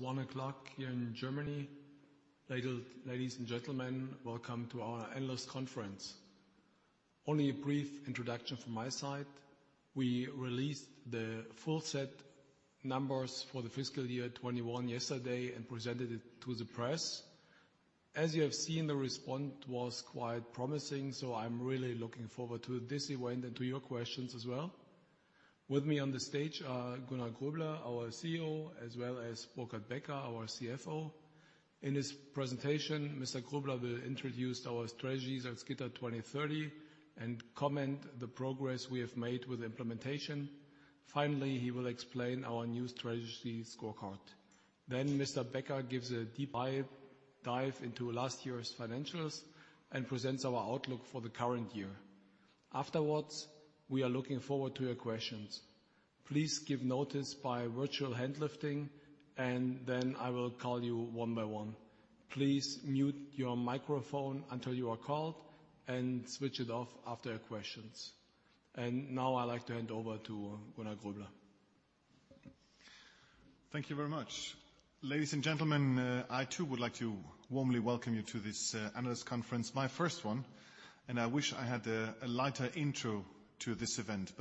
1:00 P.M. here in Germany. Ladies, ladies and gentlemen, welcome to our Analyst Conference. Only a brief introduction from my side. We released the full set numbers for the fiscal year 2021 yesterday and presented it to the press. As you have seen, the response was quite promising, so I'm really looking forward to this event and to your questions as well. With me on the stage are Gunnar Groebler, our CEO, as well as Burkhard Becker, our CFO. In his presentation, Mr. Groebler will introduce our strategies at Salzgitter 2030 and comment the progress we have made with implementation. Finally, he will explain our new strategy scorecard. Then Mr. Becker gives a deep dive into last year's financials and presents our outlook for the current year. Afterwards, we are looking forward to your questions. Please give notice by virtual hand lifting, and then I will call you one by one. Please mute your microphone until you are called and switch it off after your questions. Now I like to hand over to Gunnar Groebler. Thank you very much. Ladies and gentlemen, I too would like to warmly welcome you to this analyst conference, my first one, and I wish I had a lighter intro to this event.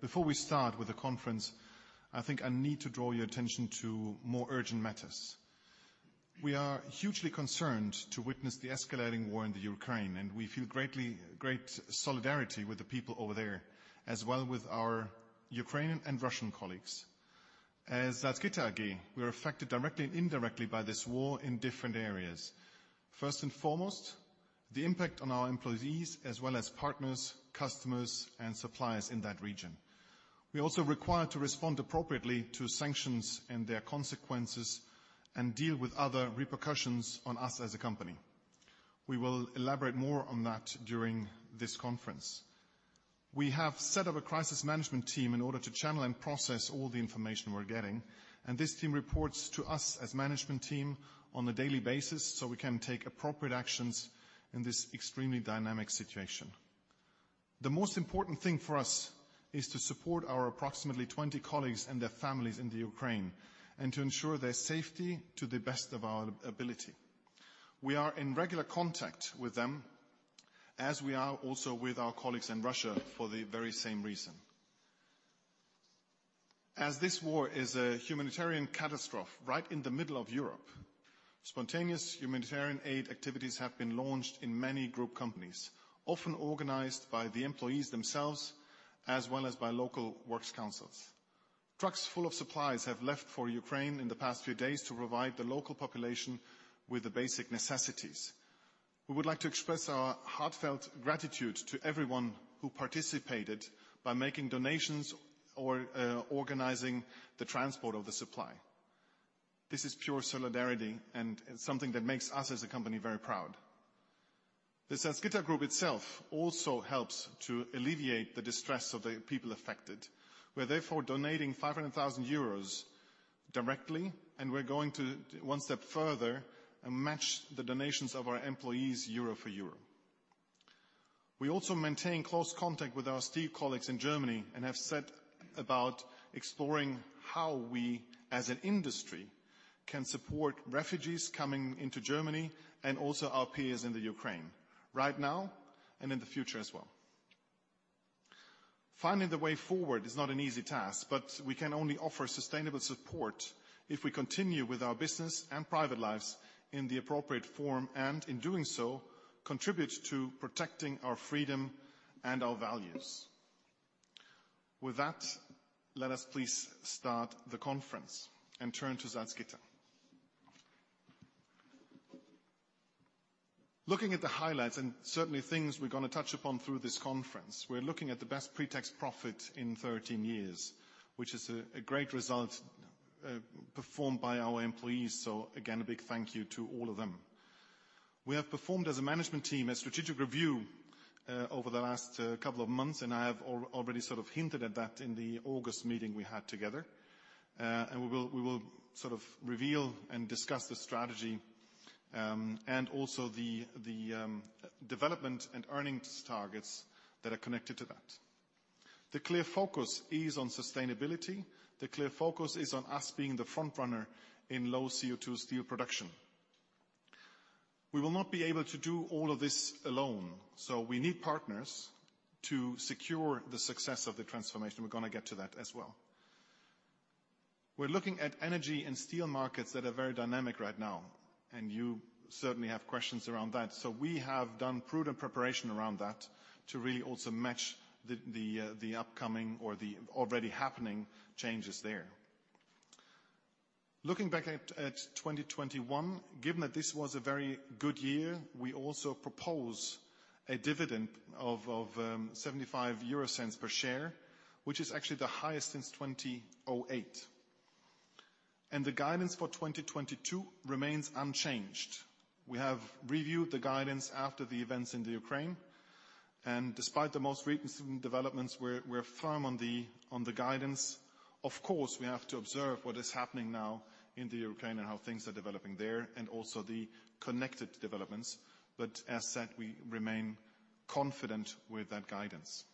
Before we start with the conference, I think I need to draw your attention to more urgent matters. We are hugely concerned to witness the escalating war in the Ukraine, and we feel great solidarity with the people over there, as well with our Ukrainian and Russian colleagues. As Salzgitter AG, we are affected directly and indirectly by this war in different areas. First and foremost, the impact on our employees as well as partners, customers, and suppliers in that region. We also require to respond appropriately to sanctions and their consequences and deal with other repercussions on us as a company. We will elaborate more on that during this conference. We have set up a crisis management team in order to channel and process all the information we're getting, and this team reports to us as management team on a daily basis, so we can take appropriate actions in this extremely dynamic situation. The most important thing for us is to support our approximately 20 colleagues and their families in the Ukraine and to ensure their safety to the best of our ability. We are in regular contact with them, as we are also with our colleagues in Russia for the very same reason. As this war is a humanitarian catastrophe right in the middle of Europe, spontaneous humanitarian aid activities have been launched in many group companies, often organized by the employees themselves as well as by local works councils. Trucks full of supplies have left for Ukraine in the past few days to provide the local population with the basic necessities. We would like to express our heartfelt gratitude to everyone who participated by making donations or organizing the transport of the supply. This is pure solidarity and something that makes us as a company very proud. The Salzgitter Group itself also helps to alleviate the distress of the people affected. We're therefore donating 500,000 euros directly, and we're going to one step further and match the donations of our employees euro for euro. We also maintain close contact with our steel colleagues in Germany and have set about exploring how we, as an industry, can support refugees coming into Germany and also our peers in the Ukraine right now and in the future as well. Finding the way forward is not an easy task, but we can only offer sustainable support if we continue with our business and private lives in the appropriate form, and in doing so, contribute to protecting our freedom and our values. With that, let us please start the conference and turn to Salzgitter. Looking at the highlights and certainly things we're gonna touch upon through this conference, we're looking at the best pre-tax profit in 13 years, which is a great result performed by our employees. Again, a big thank you to all of them. We have performed as a management team a strategic review over the last couple of months, and I have already sort of hinted at that in the August meeting we had together. We will sort of reveal and discuss the strategy, and also the developme nt and earnings targets that are connected to that. The clear focus is on sustainability. The clear focus is on us being the front runner in low CO2 steel production. We will not be able to do all of this alone, so we need partners to secure the success of the transformation. We're gonna get to that as well. We're looking at energy and steel markets that are very dynamic right now, and you certainly have questions around that. We have done prudent preparation around that to really also match the upcoming or the already happening changes there. Looking back at 2021, given that this was a very good year, we also propose a dividend of 75 euro cents per share, which is actually the highest since 2008. The guidance for 2022 remains unchanged. We have reviewed the guidance after the events in Ukraine, and despite the most recent developments, we're firm on the guidance. Of course, we have to observe what is happening now in Ukraine and how things are developing there and also the connected developments. As said, we remain confident with that guidance.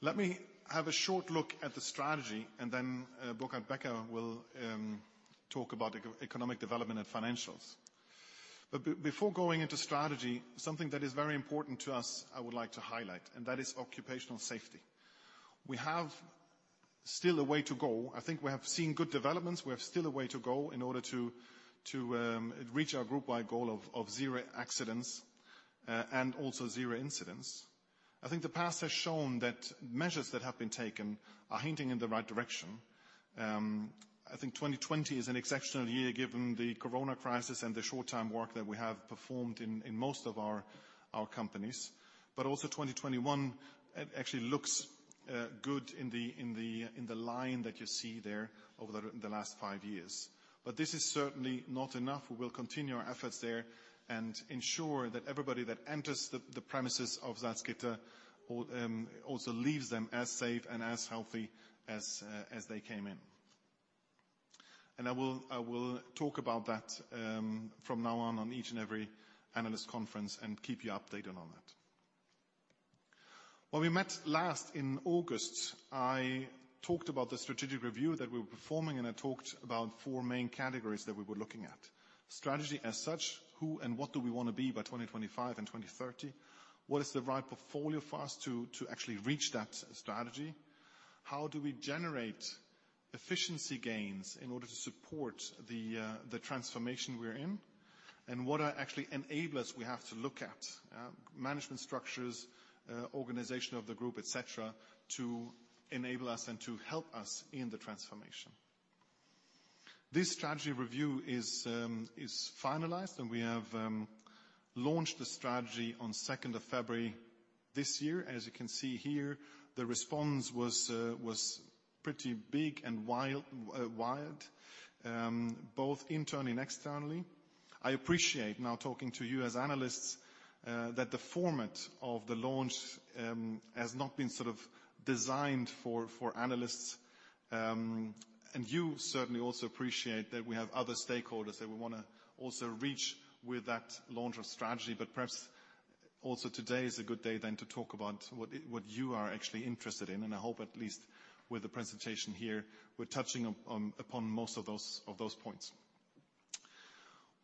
Let me have a short look at the strategy, and then Burkhard Becker will talk about macro-economic development and financials. Before going into strategy, something that is very important to us, I would like to highlight, and that is occupational safety. We have still a way to go. I think we have seen good developments. We have still a way to go in order to reach our groupwide goal of zero accidents and also zero incidents. I think the past has shown that measures that have been taken are hinting in the right direction. I think 2020 is an exceptional year given the corona crisis and the short-term work that we have performed in most of our companies. Also 2021 actually looks good in the line that you see there over the last five years. This is certainly not enough. We will continue our efforts there and ensure that everybody that enters the premises of Salzgitter AG also leaves them as safe and as healthy as they came in. I will talk about that from now on on each and every analyst conference and keep you updated on that. When we met last in August, I talked about the strategic review that we were performing, and I talked about four main categories that we were looking at. Strategy as such, who and what do we wanna be by 2025 and 2030? What is the right portfolio for us to actually reach that strategy? How do we generate efficiency gains in order to support the transformation we're in? What are actually enablers we have to look at, management structures, organization of the group, et cetera, to enable us and to help us in the transformation. This strategy review is finalized, and we have launched the strategy on second of February this year. As you can see here, the response was pretty big and wild, wide, both internally and externally. I appreciate now talking to you as analysts, that the format of the launch has not been sort of designed for analysts. You certainly also appreciate that we have other stakeholders that we wanna also reach with that launch of strategy. Perhaps also today is a good day then to talk about what you are actually interested in, and I hope at least with the presentation here, we're touching upon most of those points.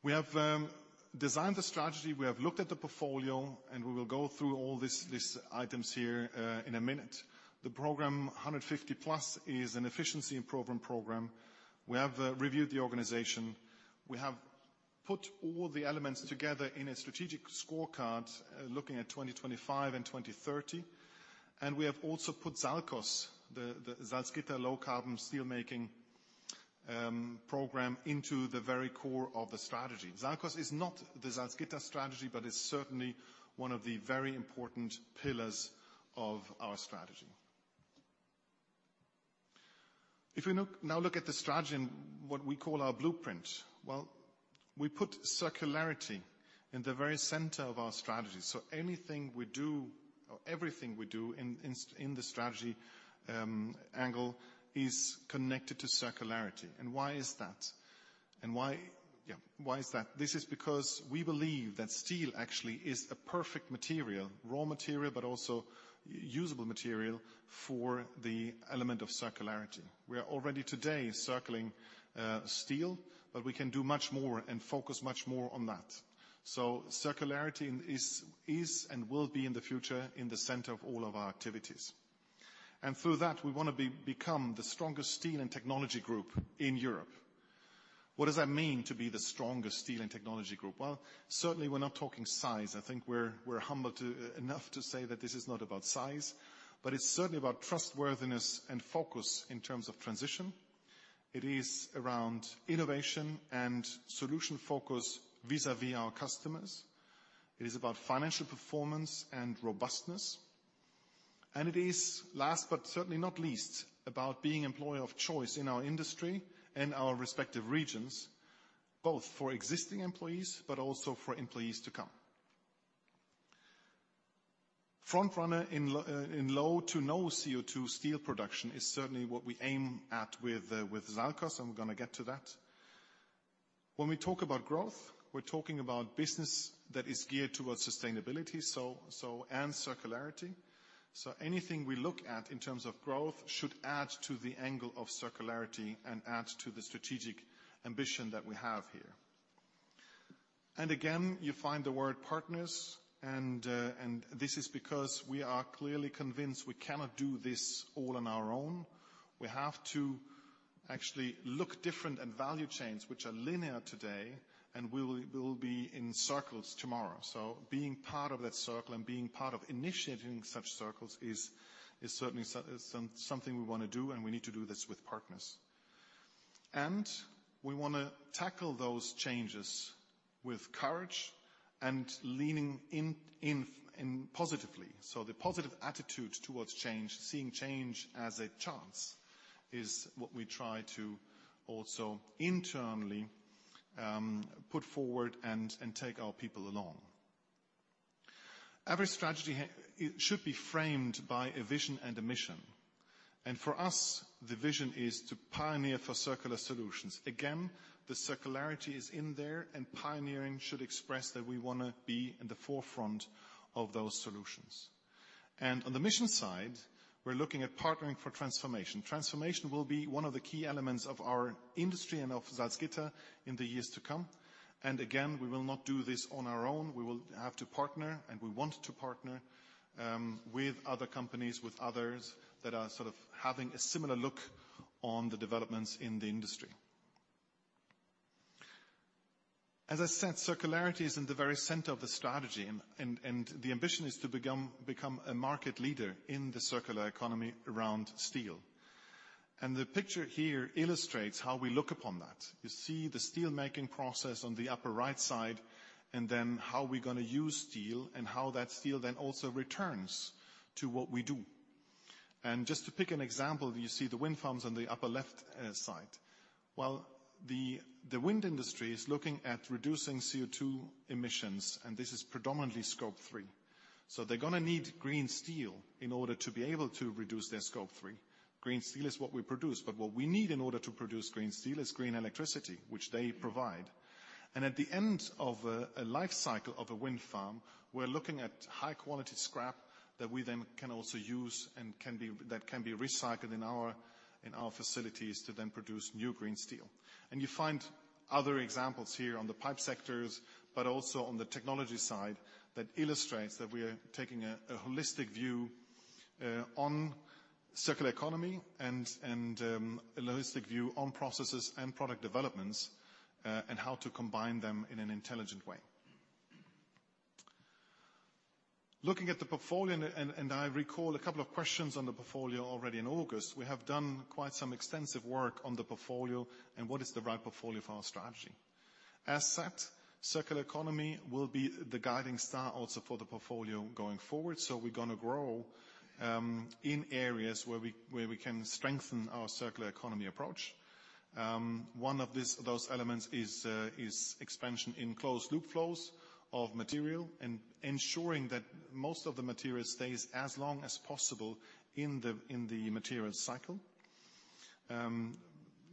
We have designed the strategy, we have looked at the portfolio, and we will go through all this, these items here, in a minute. The 150+ program is an efficiency improvement program. We have reviewed the organization. We have put all the elements together in a strategic scorecard looking at 2025 and 2030, and we have also put SALCOS, the Salzgitter low-carbon steel making program, into the very core of the strategy. SALCOS is not the Salzgitter strategy, but it's certainly one of the very important pillars of our strategy. If you look at the strategy and what we call our blueprint, well, we put circularity in the very center of our strategy, so anything we do or everything we do in the strategy angle is connected to circularity. Why is that? Why is that? This is because we believe that steel actually is a perfect material, raw material, but also usable material for the element of circularity. We are already today circling steel, but we can do much more and focus much more on that. Circularity is and will be in the future in the center of all of our activities. Through that, we wanna become the strongest steel and technology group in Europe. What does that mean to be the strongest steel and technology group? Well, certainly we're not talking size. I think we're humble enough to say that this is not about size, but it's certainly about trustworthiness and focus in terms of transition. It is around innovation and solution focus vis-à-vis our customers. It is about financial performance and robustness, and it is last but certainly not least about being employer of choice in our industry and our respective regions, both for existing employees but also for employees to come. Front runner in low to no CO2 steel production is certainly what we aim at with SALCOS, and we're gonna get to that. When we talk about growth, we're talking about business that is geared towards sustainability, and circularity. Anything we look at in terms of growth should add to the angle of circularity and add to the strategic ambition that we have here. Again, you find the word partners, and this is because we are clearly convinced we cannot do this all on our own. We have to actually look different at value chains which are linear today and will be in circles tomorrow. Being part of that circle and being part of initiating such circles is certainly something we wanna do, and we need to do this with partners. We wanna tackle those changes with courage and leaning in positively. The positive attitude towards change, seeing change as a chance, is what we try to also internally put forward and take our people along. Every strategy should be framed by a vision and a mission. For us, the vision is to pioneer for circular solutions. Again, the circularity is in there, and pioneering should express that we wanna be in the forefront of those solutions. On the mission side, we're looking at partnering for transformation. Transformation will be one of the key elements of our industry and of Salzgitter in the years to come. Again, we will not do this on our own. We will have to partner, and we want to partner, with other companies, with others that are sort of having a similar look on the developments in the industry. As I said, circularity is in the very center of the strategy and the ambition is to become a market leader in the circular economy around steel. The picture here illustrates how we look upon that. You see the steelmaking process on the upper right side, and then how we're gonna use steel and how that steel then also returns to what we do. Just to pick an example, you see the wind farms on the upper left side. Well, the wind industry is looking at reducing CO2 emissions, and this is predominantly Scope 3. They're gonna need green steel in order to be able to reduce their Scope 3. Green steel is what we produce, but what we need in order to produce green steel is green electricity, which they provide. At the end of a life cycle of a wind farm, we're looking at high-quality scrap that we then can also use and that can be recycled in our facilities to then produce new green steel. You find other examples here on the pipe sectors, but also on the technology side, that illustrates that we are taking a holistic view on circular economy and a holistic view on processes and product developments and how to combine them in an intelligent way. Looking at the portfolio, I recall a couple of questions on the portfolio already in August. We have done quite some extensive work on the portfolio and what is the right portfolio for our strategy. As said, circular economy will be the guiding star also for the portfolio going forward, so we're gonna grow in areas where we can strengthen our circular economy approach. One of those elements is expansion in closed loop flows of material and ensuring that most of the material stays as long as possible in the material cycle.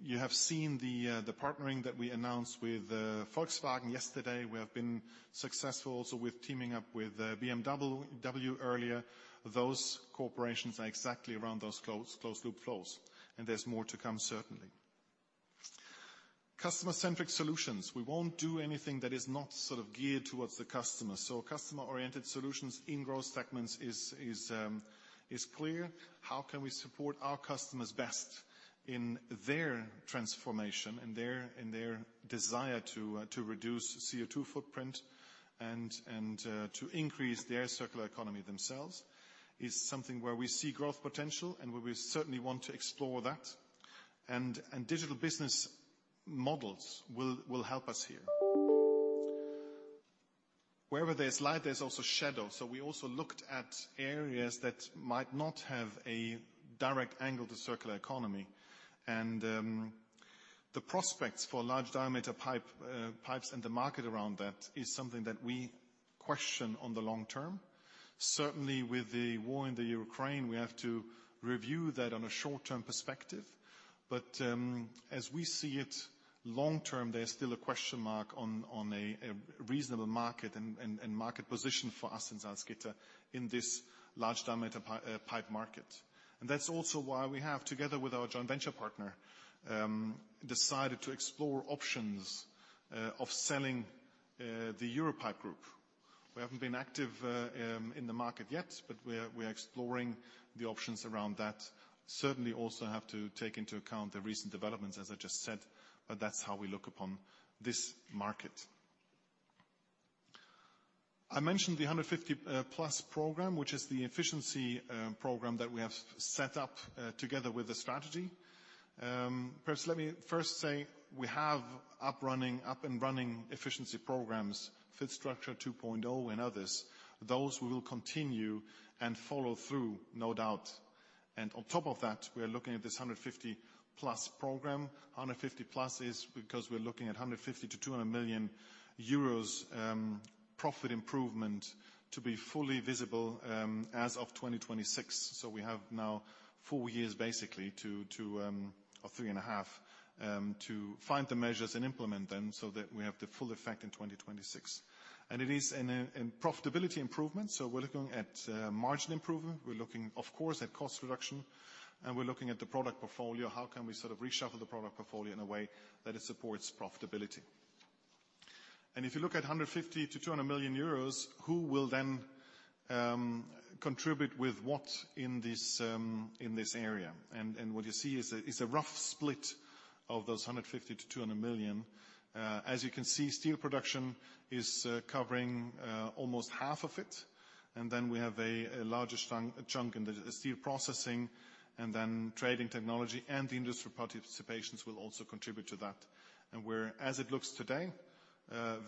You have seen the partnering that we announced with Volkswagen yesterday. We have been successful also with teaming up with BMW earlier. Those corporations are exactly around those closed loop flows, and there's more to come certainly. Customer-centric solutions. We won't do anything that is not sort of geared toward the customer. Customer-oriented solutions in growth segments is clear. How can we support our customers best in their transformation and their desire to reduce CO2 footprint and to increase their circular economy themselves is something where we see growth potential and where we certainly want to explore that. Digital business models will help us here. Wherever there's light, there's also shadow, so we also looked at areas that might not have a direct angle to circular economy. The prospects for large diameter pipes and the market around that is something that we question on the long term. Certainly with the war in the Ukraine, we have to review that on a short-term perspective. As we see it long term, there's still a question mark on a reasonable market and market position for us in Salzgitter in this large diameter pipe market. That's also why we have, together with our joint venture partner, decided to explore options of selling the EUROPIPE Group. We haven't been active in the market yet, but we are exploring the options around that. Certainly also have to take into account the recent developments, as I just said, but that's how we look upon this market. I mentioned the 150+ program, which is the efficiency program that we have set up together with the strategy. Perhaps let me first say we have up and running efficiency programs, FitStructure 2.0, and others. Those we will continue and follow through, no doubt. On top of that, we are looking at this 150+ program. 150+ is because we're looking at 150 million-200 million euros profit improvement to be fully visible as of 2026. We have now four years basically to or three and a half to find the measures and implement them so that we have the full effect in 2026. It is in profitability improvement, so we're looking at margin improvement. We're looking, of course, at cost reduction, and we're looking at the product portfolio. How can we sort of reshuffle the product portfolio in a way that it supports profitability? If you look at 150-200 million euros, who will then contribute with what in this area? What you see is a rough split of those 150-200 million. As you can see, steel production is covering almost half of it, and then we have a larger chunk in the steel processing, and then trading technology and the industrial participations will also contribute to that. We're, as it looks today,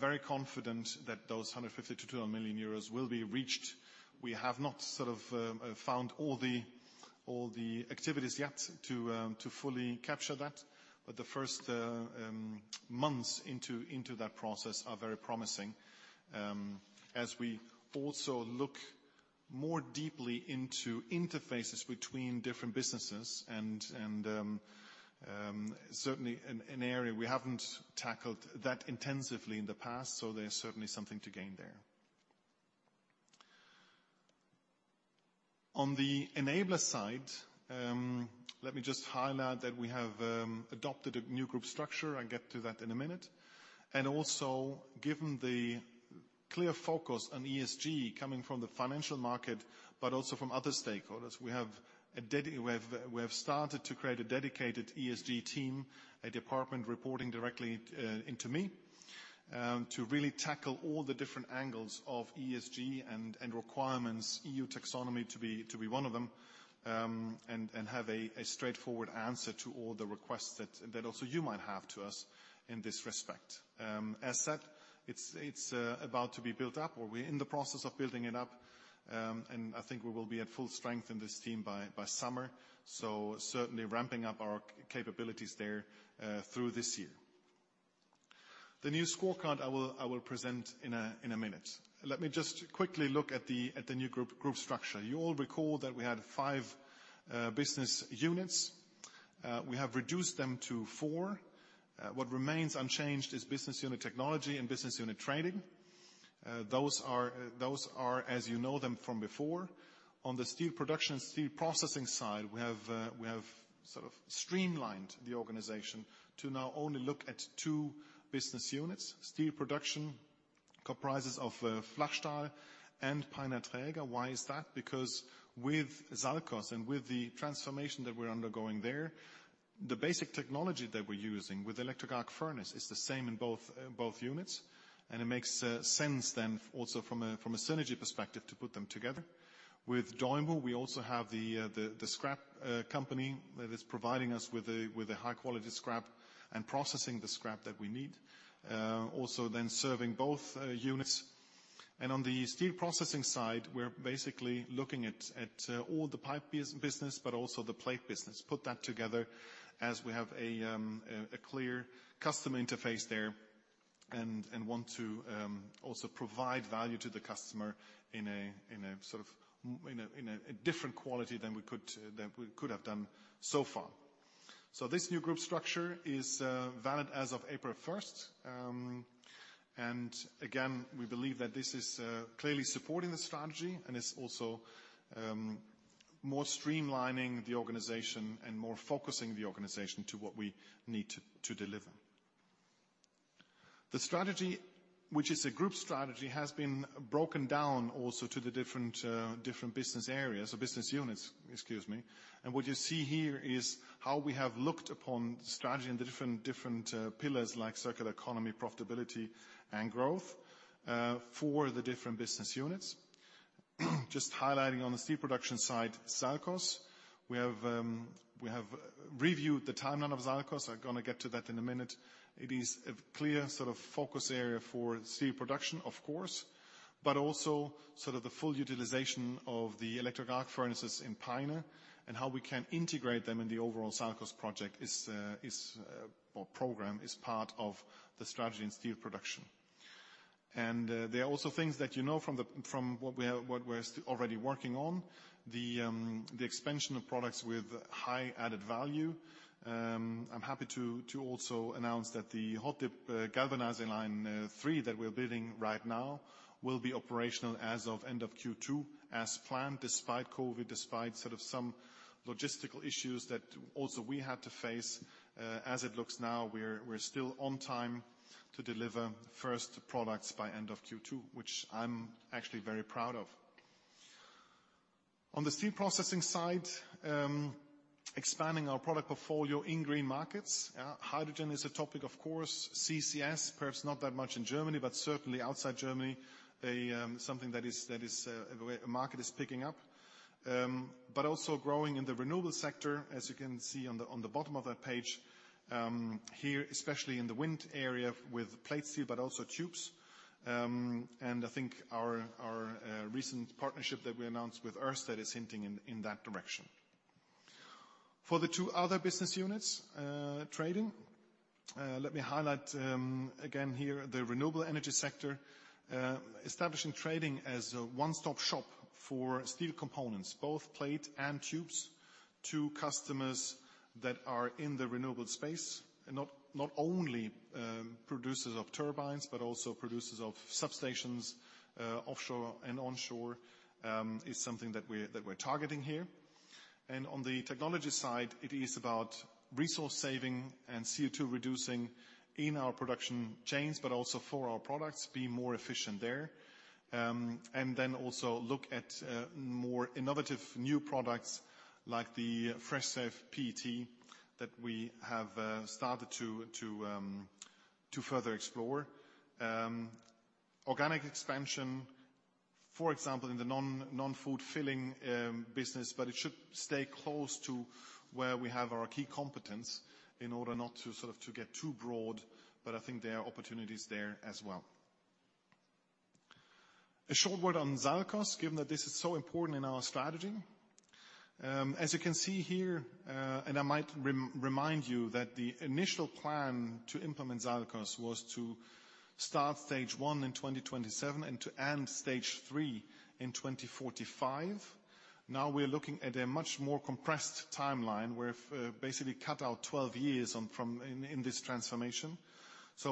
very confident that those 150-200 million euros will be reached. We have not sort of found all the activities yet to fully capture that. The first months into that process are very promising. As we also look more deeply into interfaces between different businesses and certainly an area we haven't tackled that intensively in the past, so there's certainly something to gain there. On the enabler side, let me just highlight that we have adopted a new group structure. I'll get to that in a minute. Given the clear focus on ESG coming from the financial market, but also from other stakeholders, we have started to create a dedicated ESG team, a department reporting directly into me, to really tackle all the different angles of ESG and requirements, EU taxonomy to be one of them, and have a straightforward answer to all the requests that also you might have to us in this respect. As said, it's about to be built up, or we're in the process of building it up, and I think we will be at full strength in this team by summer, so certainly ramping up our capabilities there through this year. The new scorecard I will present in a minute. Let me just quickly look at the new group structure. You all recall that we had five business units. We have reduced them to four. What remains unchanged is business unit technology and business unit trading. Those are as you know them from before. On the steel production, steel processing side, we have sort of streamlined the organization to now only look at two business units. Steel production comprises of Flachstahl and Peiner Träger. Why is that? Because with SALCOS and with the transformation that we're undergoing there, the basic technology that we're using with Electric Arc Furnace is the same in both units, and it makes sense then also from a synergy perspective to put them together. With DEUMU, we also have the scrap company that is providing us with a high-quality scrap and processing the scrap that we need, also then serving both units. On the steel processing side, we're basically looking at all the pipe business, but also the plate business. Put that together as we have a clear customer interface there and want to also provide value to the customer in a sort of different quality than we could have done so far. This new group structure is valid as of April 1st. Again, we believe that this is clearly supporting the strategy and is also more streamlining the organization and more focusing the organization to what we need to deliver. The strategy, which is a group strategy, has been broken down also to the different business areas, or business units, excuse me. What you see here is how we have looked upon strategy and the different pillars like circular economy, profitability, and growth for the different business units. Just highlighting on the steel production side, SALCOS. We have reviewed the timeline of SALCOS. I'm gonna get to that in a minute. It is a clear sort of focus area for steel production, of course, but also sort of the full utilization of the Electric Arc Furnaces in Peine and how we can integrate them in the overall SALCOS project or program is part of the strategy in steel production. There are also things that you know from what we're already working on, the expansion of products with high added value. I'm happy to also announce that the hot-dip galvanizing line 3 that we're building right now will be operational as of end of Q2 as planned, despite COVID, despite sort of some logistical issues that also we had to face. As it looks now, we're still on time to deliver first products by end of Q2, which I'm actually very proud of. On the steel processing side, expanding our product portfolio in green markets. Hydrogen is a topic, of course. CCS, perhaps not that much in Germany, but certainly outside Germany, something that is underway. A market is picking up. Also growing in the renewable sector, as you can see on the bottom of that page, here, especially in the wind area with plate steel, but also tubes. I think our recent partnership that we announced with Ørsted is hinting in that direction. For the two other business units, trading, let me highlight again here the renewable energy sector. Establishing trading as a one-stop shop for steel components, both plate and tubes, to customers that are in the renewable space, and not only producers of turbines, but also producers of substations, offshore and onshore, is something that we're targeting here. On the technology side, it is about resource saving and CO2 reducing in our production chains, but also for our products, being more efficient there. Look at more innovative new products like the FreshSafe PET that we have started to further explore. Organic expansion, for example, in the non-food filling business, but it should stay close to where we have our key competence in order not to get too broad, but I think there are opportunities there as well. A short word on SALCOS, given that this is so important in our strategy. As you can see here, and I might remind you that the initial plan to implement SALCOS was to start stage one in 2027 and to end stage three in 2045. Now we're looking at a much more compressed timeline. We've basically cut out 12 years from this transformation.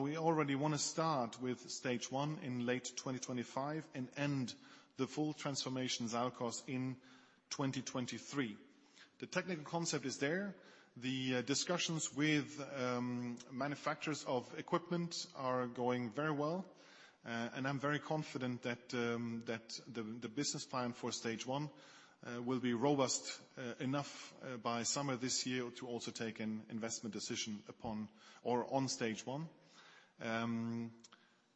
We already wanna start with stage one in late 2025 and end the full transformation SALCOS in 2023. The technical concept is there. The discussions with manufacturers of equipment are going very well. And I'm very confident that the business plan for stage one will be robust enough by summer this year to also take an investment decision upon or on stage one.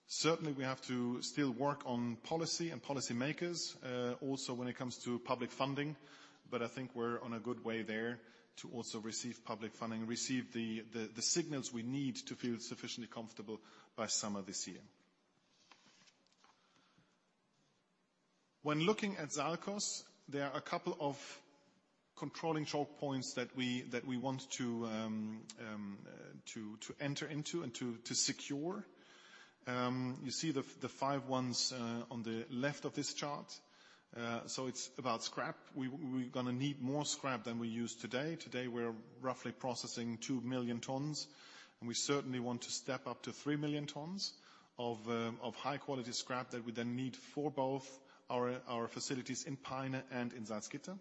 Certainly we have to still work on policy and policymakers, also when it comes to public funding, but I think we're on a good way there to also receive public funding, receive the signals we need to feel sufficiently comfortable by summer this year. When looking at SALCOS, there are a couple of controlling choke points that we want to enter into and to secure. You see the five ones on the left of this chart. It's about scrap. We're gonna need more scrap than we use today. Today, we're roughly processing 2 million tons, and we certainly want to step up to 3 million tons of high-quality scrap that we then need for both our facilities in Peine and in Salzgitter.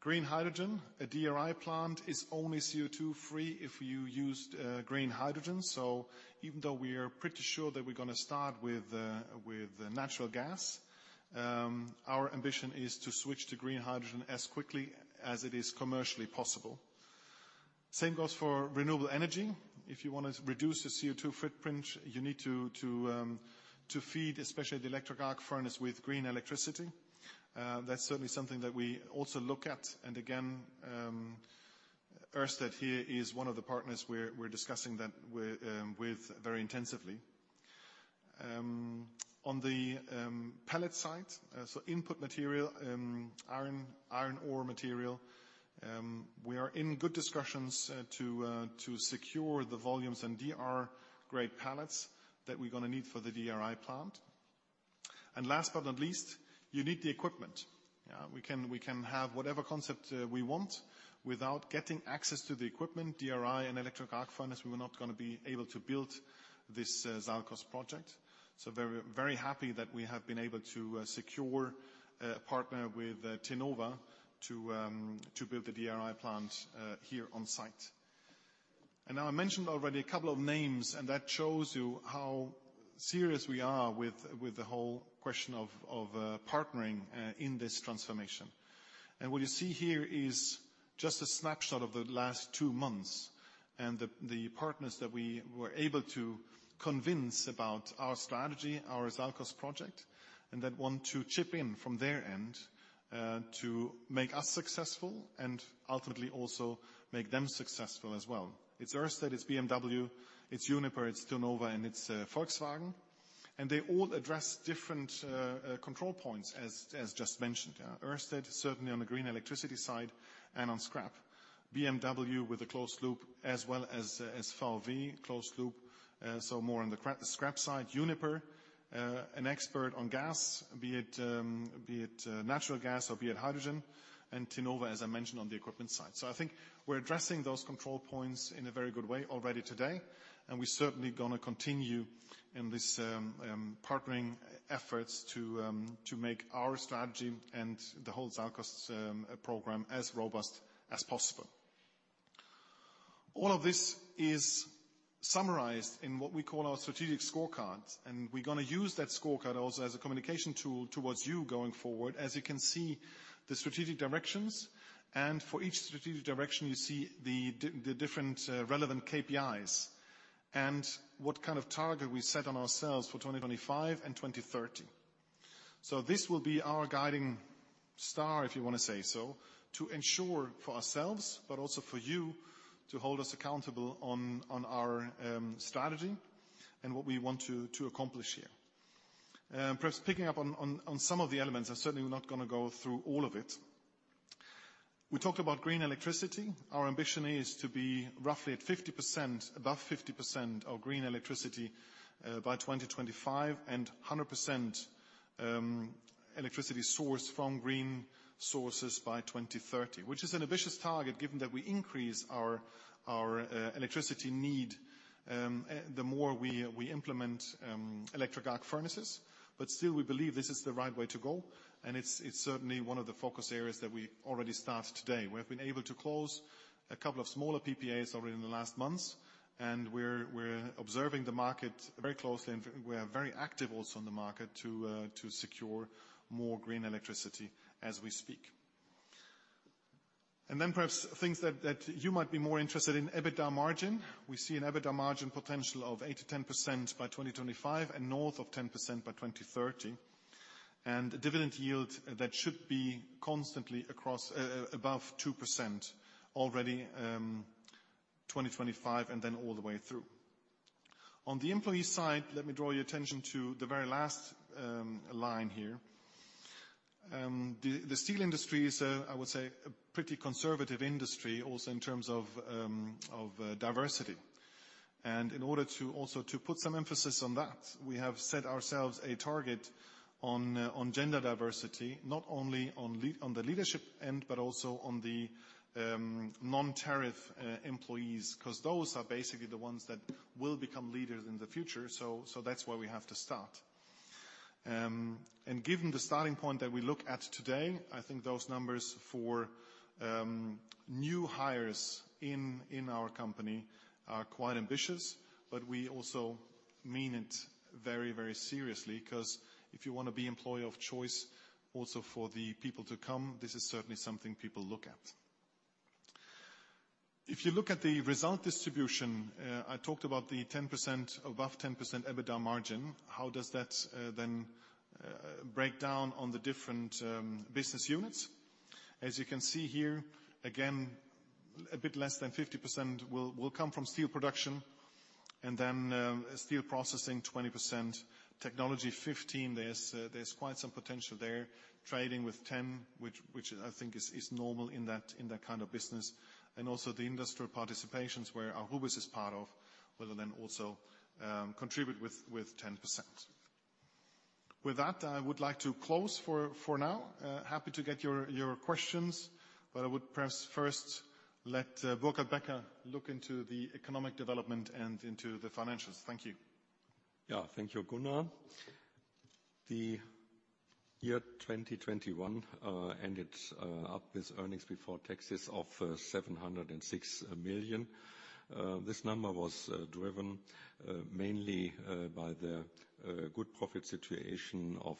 Green hydrogen, a DRI plant is only CO2 free if you used green hydrogen. Even though we are pretty sure that we're gonna start with natural gas, our ambition is to switch to green hydrogen as quickly as it is commercially possible. Same goes for renewable energy. If you wanna reduce the CO2 footprint, you need to feed, especially the Electric Arc Furnace with green electricity. That's certainly something that we also look at. Again, Ørsted here is one of the partners we're discussing that with very intensively. On the pellet side, so input material, iron ore material, we are in good discussions to secure the volumes and DR grade pellets that we're gonna need for the DRI plant. Last but not least, you need the equipment. We can have whatever concept we want. Without getting access to the equipment, DRI and Electric Arc Furnace, we were not gonna be able to build this SALCOS project. Very, very happy that we have been able to secure a partner with Tenova to build the DRI plant here on site. Now I mentioned already a couple of names, and that shows you how serious we are with the whole question of partnering in this transformation. What you see here is just a snapshot of the last two months and the partners that we were able to convince about our strategy, our SALCOS project, and that want to chip in from their end, to make us successful and ultimately also make them successful as well. It's Ørsted, it's BMW, it's Uniper, it's Tenova, and it's Volkswagen. They all address different control points as just mentioned. Ørsted, certainly on the green electricity side and on scrap. BMW with a closed loop as well as VW closed loop, so more on the scrap side. Uniper, an expert on gas, be it natural gas or be it hydrogen. Tenova, as I mentioned, on the equipment side. I think we're addressing those control points in a very good way already today, and we're certainly gonna continue in this partnering efforts to make our strategy and the whole SALCOS program as robust as possible. All of this is summarized in what we call our strategic scorecard, and we're gonna use that scorecard also as a communication tool towards you going forward. As you can see, the strategic directions, and for each strategic direction, you see the different relevant KPIs and what kind of target we set on ourselves for 2025 and 2030. This will be our guiding star, if you wanna say so, to ensure for ourselves, but also for you to hold us accountable on our strategy and what we want to accomplish here. Perhaps picking up on some of the elements, I certainly am not gonna go through all of it. We talked about green electricity. Our ambition is to be roughly at 50%, above 50% of green electricity, by 2025 and 100%, electricity sourced from green sources by 2030. Which is an ambitious target given that we increase our electricity need, the more we implement Electric Arc Furnaces. But still, we believe this is the right way to go, and it's certainly one of the focus areas that we already start today. We have been able to close a couple of smaller PPAs already in the last months, and we're observing the market very closely, and we are very active also in the market to secure more green electricity as we speak. Perhaps things that you might be more interested in, EBITDA margin. We see an EBITDA margin potential of 8%-10% by 2025 and north of 10% by 2030. A dividend yield that should be constantly across above 2% already 2025 and then all the way through. On the employee side, let me draw your attention to the very last line here. The steel industry is, I would say, a pretty conservative industry also in terms of diversity. In order to also put some emphasis on that, we have set ourselves a target on gender diversity, not only on the leadership end, but also on the non-tariff employees, 'cause those are basically the ones that will become leaders in the future. That's where we have to start. Given the starting point that we look at today, I think those numbers for new hires in our company are quite ambitious, but we also mean it very, very seriously, 'cause if you wanna be employer of choice also for the people to come, this is certainly something people look at. If you look at the result distribution, I talked about the 10%, above 10% EBITDA margin, how does that then break down on the different business units? As you can see here, again, a bit less than 50% will come from steel production, and then steel processing 20%, technology 15%, there's quite some potential there. Trading with 10%, which I think is normal in that kind of business. Also the industrial participations where Aurubis is part of will then also contribute with 10%. With that, I would like to close for now. Happy to get your questions, but I would perhaps first let Burkhard Becker look into the economic development and into the financials. Thank you. Yeah. Thank you, Gunnar. The year 2021 ended up with earnings before taxes of 706 million. This number was driven mainly by the good profit situation of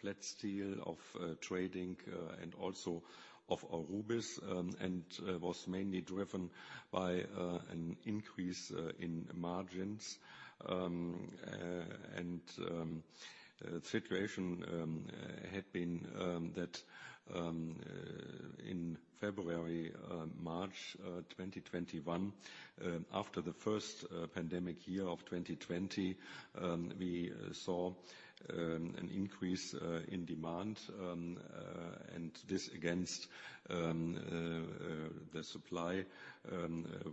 flat steel, of trading, and also of Aurubis, and was mainly driven by an increase in margins. The situation had been that in February, March 2021, after the first pandemic year of 2020, we saw an increase in demand. This against the supply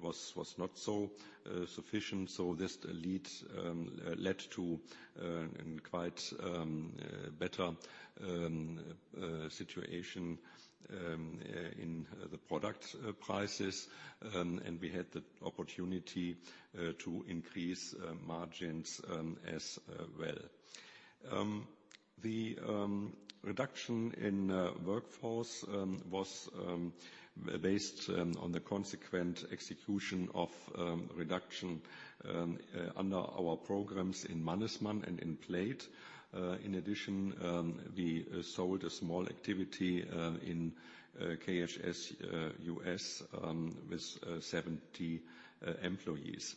was not so sufficient, so this led to quite better situation in the product prices, and we had the opportunity to increase margins as well. The reduction in workforce was based on the consequent execution of reduction under our programs in Mannesmann and in Plate. In addition, we sold a small activity in KHS USA with 70 employees.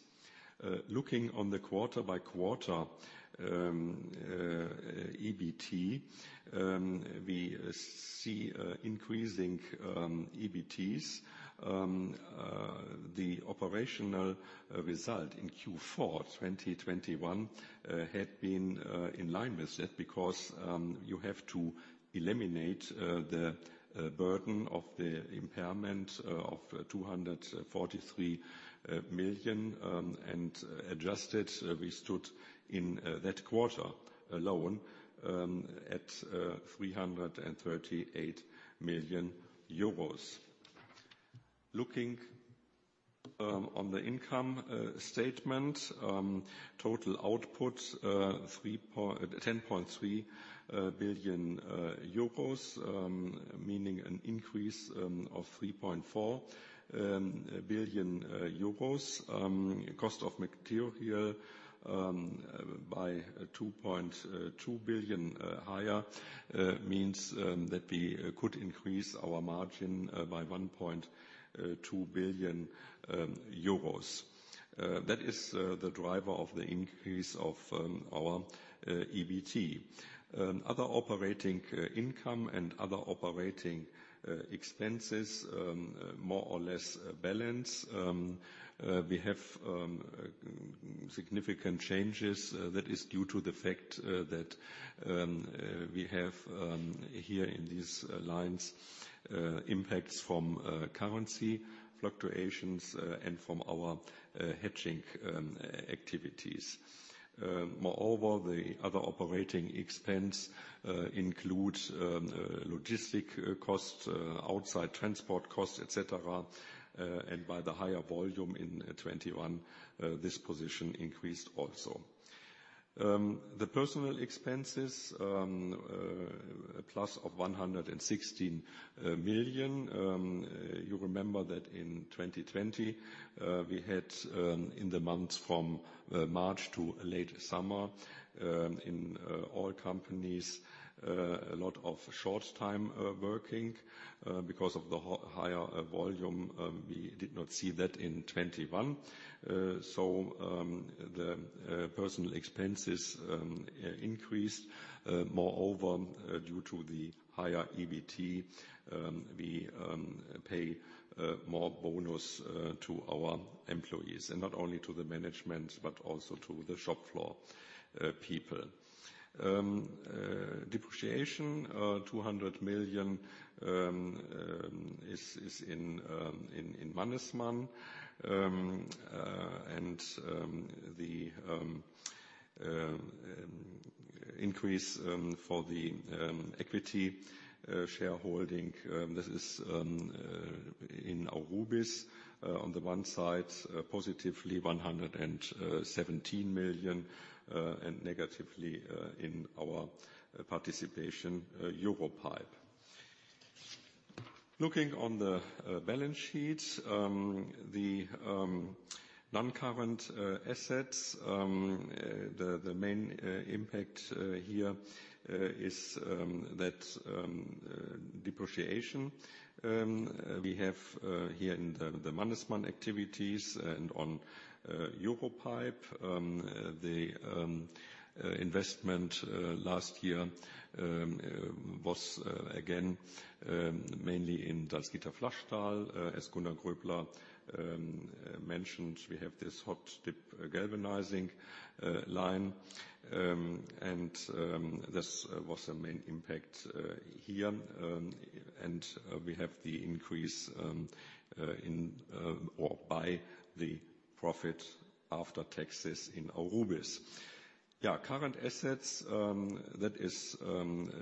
Looking at the quarter-by-quarter EBT, we see increasing EBTs. The operational result in Q4 2021 had been in line with it because you have to eliminate the burden of the impairment of 243 million and adjusted we stood in that quarter alone at EUR 338 million. Looking on the income statement total outputs 10.3 billion euros meaning an increase of 3.4 billion euros. Cost of material by 2.2 billion higher means that we could increase our margin by 1.2 billion euros. That is the driver of the increase of our EBT. Other operating income and other operating expenses more or less balance. We have significant changes. That is due to the fact that we have here in these lines impacts from currency fluctuations and from our hedging activities. Moreover, the other operating expense includes logistics costs, outside transport costs, et cetera, and by the higher volume in 2021, this position increased also. The personnel expenses plus of 116 million. You remember that in 2020, we had in the months from March to late summer in all companies a lot of short time working because of the higher volume. We did not see that in 2021. The personal expenses increased. Moreover, due to the higher EBT, we pay more bonus to our employees, and not only to the management, but also to the shop floor people. Depreciation, 200 million, is in Mannesmann. The increase for the equity shareholding, this is in Aurubis. On the one side, positively 117 million, and negatively, in our participation, EUROPIPE. Looking on the balance sheet, the non-current assets, the main impact here is that depreciation. We have here in the Mannesmann activities and on EUROPIPE. The investment last year was again mainly in Salzgitter Flachstahl. As Gunnar Groebler mentioned, we have this hot-dip galvanizing line. This was the main impact here. We have the increase in or by the profit after taxes in Aurubis. Yeah, current assets, that is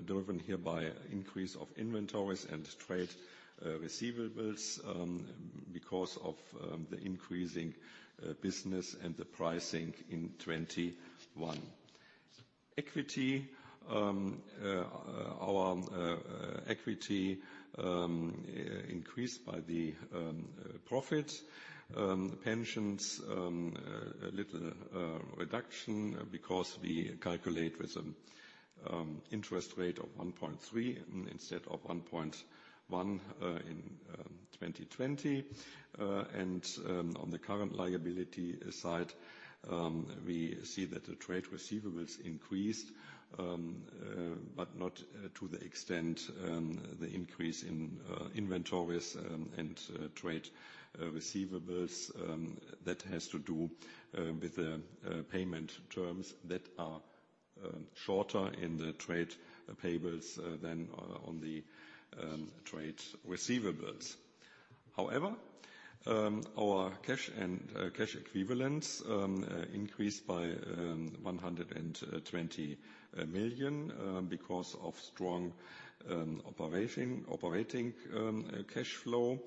driven here by increase of inventories and trade receivables, because of the increasing business and the pricing in 2021. Equity, our equity increased by the profit. The pensions, a little reduction because we calculate with interest rate of 1.3 instead of 1.1 in 2020. On the current liability side, we see that the trade receivables increased, but not to the extent the increase in inventories and trade receivables. That has to do with the payment terms that are shorter in the trade payables than on the trade receivables. However, our cash and cash equivalents increased by 120 million because of strong operating cash flow.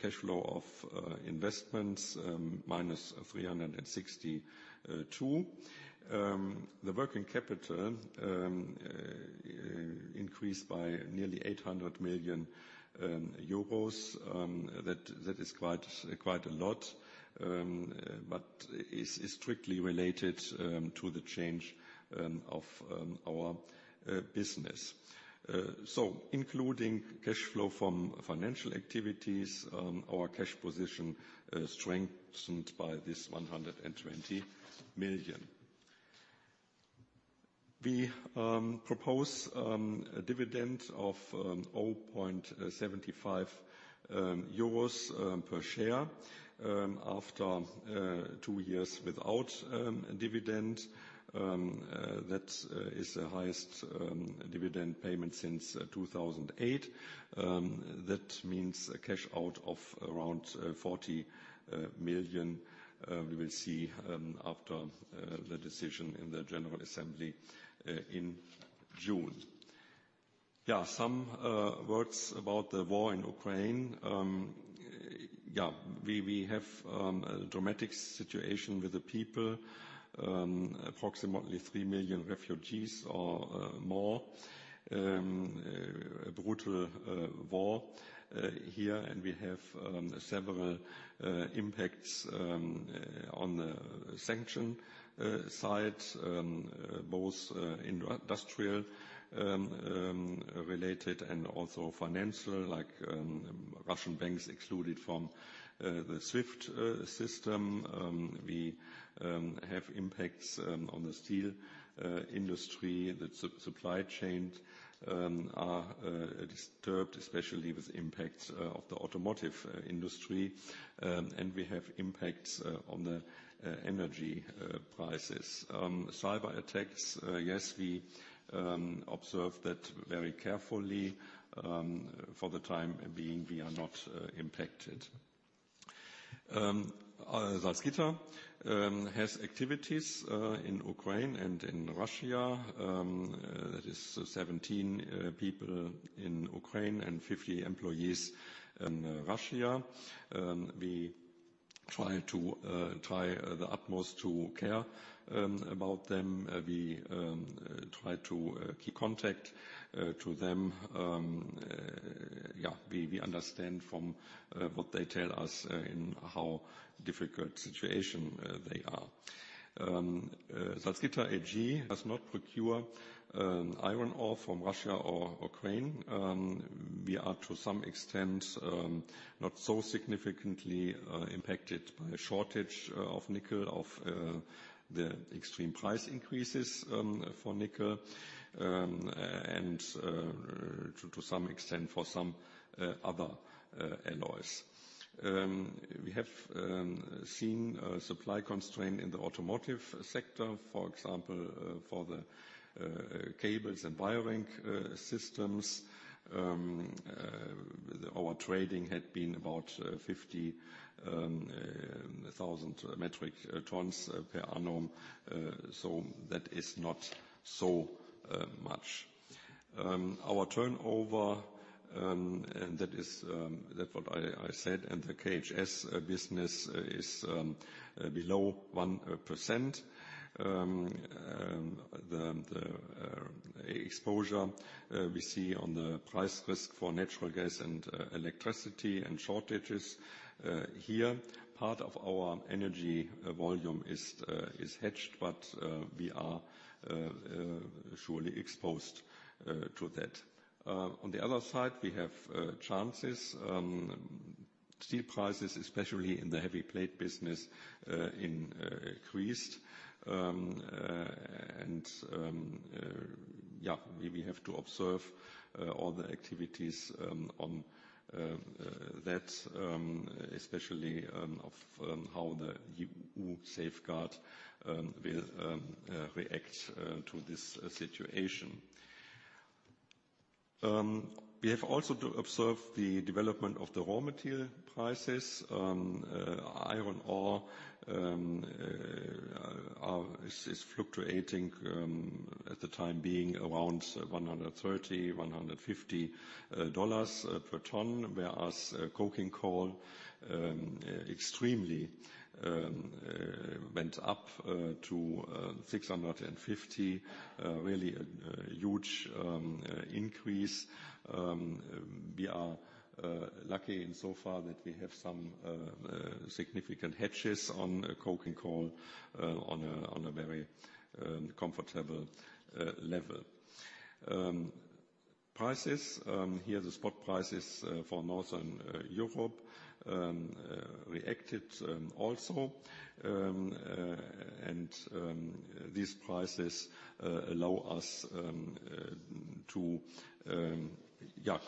Cash flow of investments -362 million. The working capital increased by nearly 800 million euros. That is quite a lot, but is strictly related to the change of our business. Including cash flow from financial activities, our cash position strengthened by 120 million. We propose a dividend of 0.75 euros per share after two years without a dividend. That's the highest dividend payment since 2008. That means a cash out of around 40 million. We will see after the decision in the general assembly in June. Some words about the war in Ukraine. We have a dramatic situation with the people. Approximately 3 million refugees or more. A brutal war here, and we have several impacts on the sanctions side, both industrial related and also financial, like, Russian banks excluded from the SWIFT system. We have impacts on the steel industry. The supply chains are disturbed, especially with impacts of the automotive industry. We have impacts on the energy prices. Cyberattacks, yes, we observe that very carefully. For the time being, we are not impacted. Salzgitter has activities in Ukraine and in Russia. That is 17 people in Ukraine and 50 employees in Russia. We try to the utmost to care about them. We try to keep contact to them. We understand from what they tell us how difficult a situation they are in. Salzgitter AG has not procured iron ore from Russia or Ukraine. We are to some extent not so significantly impacted by a shortage of nickel and the extreme price increases for nickel and to some extent for some other alloys. We have seen a supply constraint in the automotive sector, for example, for the cables and wiring systems. Our trading had been about 50,000 metric tons per annum, so that is not so much. Our turnover, that is what I said, and the KHS business is the exposure we see on the price risk for natural gas and electricity and shortages. Here, part of our energy volume is hedged, but we are surely exposed to that. On the other side, we have chances. Steel prices, especially in the heavy plate business, increased. We have to observe all the activities on that, especially of how the EU safeguard will react to this situation. We have also to observe the development of the raw material prices. Iron ore is fluctuating at the time being around $130-$150 per ton, whereas coking coal extremely went up to $650. Really a huge increase. We are lucky in so far that we have some significant hedges on coking coal on a very comfortable level. Prices here, the spot prices for Northern Europe, reacted also. These prices allow us to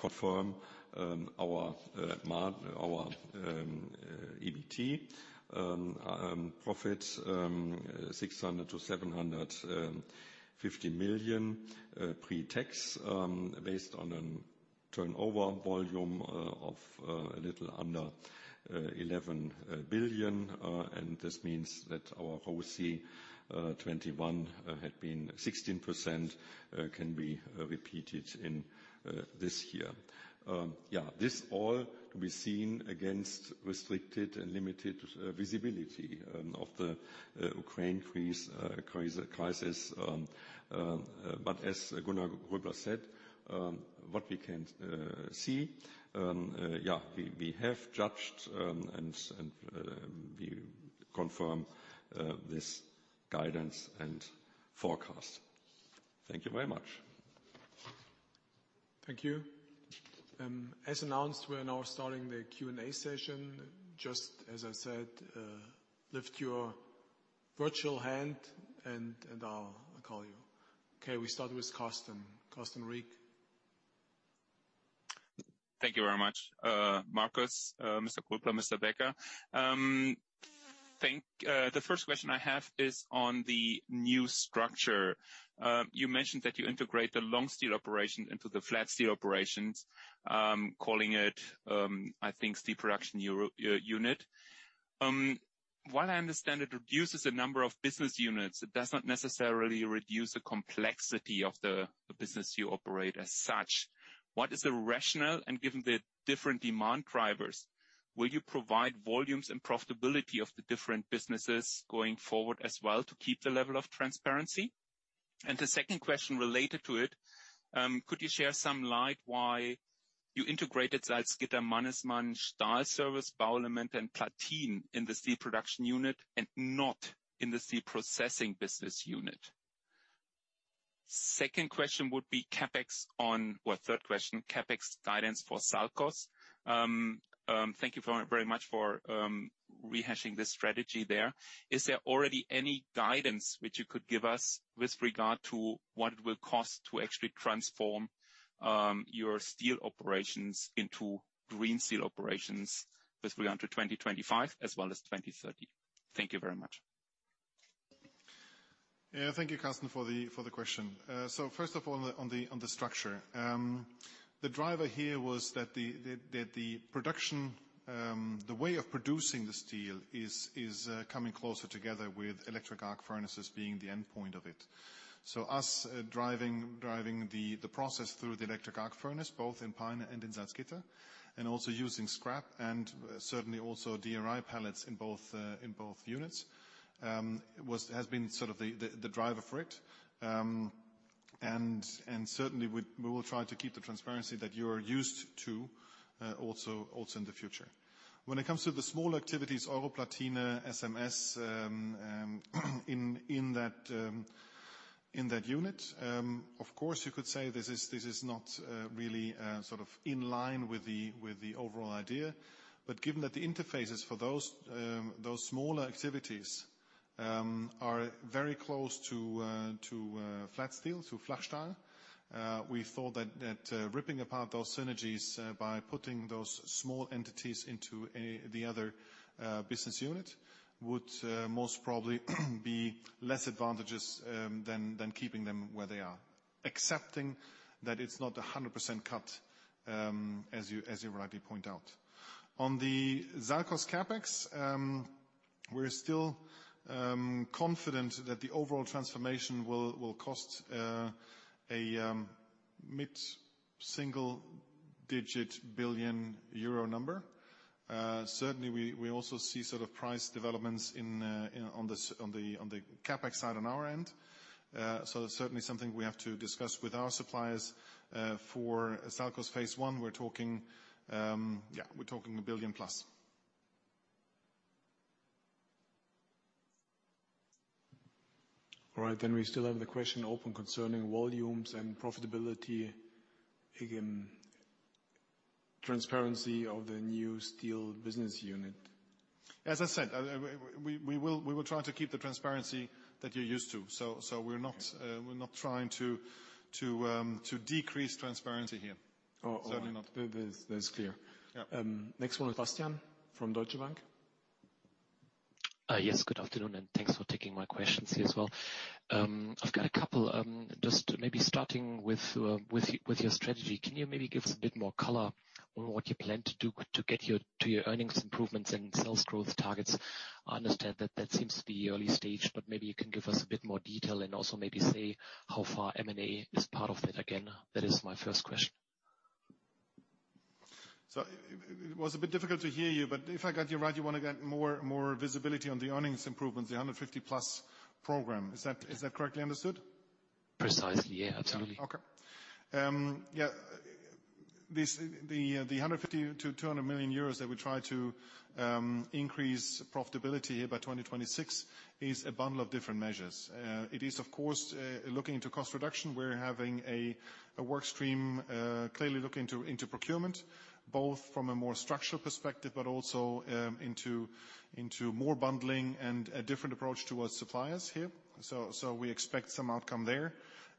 confirm our EBT profits 600 million-750 million pre-tax, based on a turnover volume of a little under 11 billion. This means that our ROCE 2021 had been 16% can be repeated in this year. This all to be seen against restricted and limited visibility of the Ukraine crisis. As Gunnar Groebler said, what we can see, we have judged and we confirm this guidance and forecast. Thank you very much. Thank you. As announced, we are now starting the Q&A session. Just as I said, lift your virtual hand and I'll call you. Okay, we start with Carsten. Carsten Riek. Thank you very much, Markus, Mr. Groebler, Mr. Becker. The first question I have is on the new structure. You mentioned that you integrate the long steel operation into the flat steel operations, calling it, I think, steel production unit. While I understand it reduces the number of business units, it does not necessarily reduce the complexity of the business you operate as such. What is the rationale? Given the different demand drivers, will you provide volumes and profitability of the different businesses going forward as well to keep the level of transparency? The second question related to it, could you shed some light why you integrated Salzgitter Mannesmann Stahlservice, Bauelemente and Euro-Platinen in the steel production unit and not in the steel processing business unit? Second question would be CapEx on. Well, third question, CapEx guidance for SALCOS. Thank you very much for rehashing the strategy there. Is there already any guidance which you could give us with regard to what it will cost to actually transform your steel operations into green steel operations with regard to 2025 as well as 2030? Thank you very much. Yeah, thank you, Carsten, for the question. First of all, on the structure. The driver here was that the production, the way of producing the steel is coming closer together with Electric Arc Furnaces being the endpoint of it. Us driving the process through the Electric Arc Furnace, both in Peine and in Salzgitter, and also using scrap and certainly also DRI pellets in both units, has been sort of the driver for it. Certainly we will try to keep the transparency that you're used to also in the future. When it comes to the small activities, Euro-Platinen, SMS, in that unit, of course you could say this is not really sort of in line with the overall idea. Given that the interfaces for those smaller activities are very close to Flat Steel, to Flachstahl, we thought that ripping apart those synergies by putting those small entities into the other business unit would most probably be less advantageous than keeping them where they are. Accepting that it's not 100% cut, as you rightly point out. On the SALCOS CapEx, we're still confident that the overall transformation will cost a mid-single digit billion EUR number. Certainly, we also see sort of price developments in, you know, on the CapEx side on our end. Certainly something we have to discuss with our suppliers. For SALCOS phase one, we're talking 1 billion+. All right. We still have the question open concerning volumes and profitability, again, transparency of the new steel business unit. As I said, we will try to keep the transparency that you're used to. Yes. We're not trying to decrease transparency here. Oh. Certainly not. That is clear. Yeah. Next one is Bastian from Deutsche Bank. Yes. Good afternoon, and thanks for taking my questions here as well. I've got a couple, just maybe starting with your strategy. Can you maybe give us a bit more color on what you plan to do to get your earnings improvements and sales growth targets? I understand that seems to be early stage, but maybe you can give us a bit more detail and also maybe say how far M&A is part of it again. That is my first question. It was a bit difficult to hear you, but if I got you right, you wanna get more visibility on the earnings improvements, the 150+ program. Is that correctly understood? Precisely, yeah. Absolutely. The 150-200 million euros that we try to increase profitability by 2026 is a bundle of different measures. It is, of course, looking into cost reduction. We're having a work stream clearly look into procurement, both from a more structural perspective, but also into more bundling and a different approach to our suppliers here. We expect some outcome there.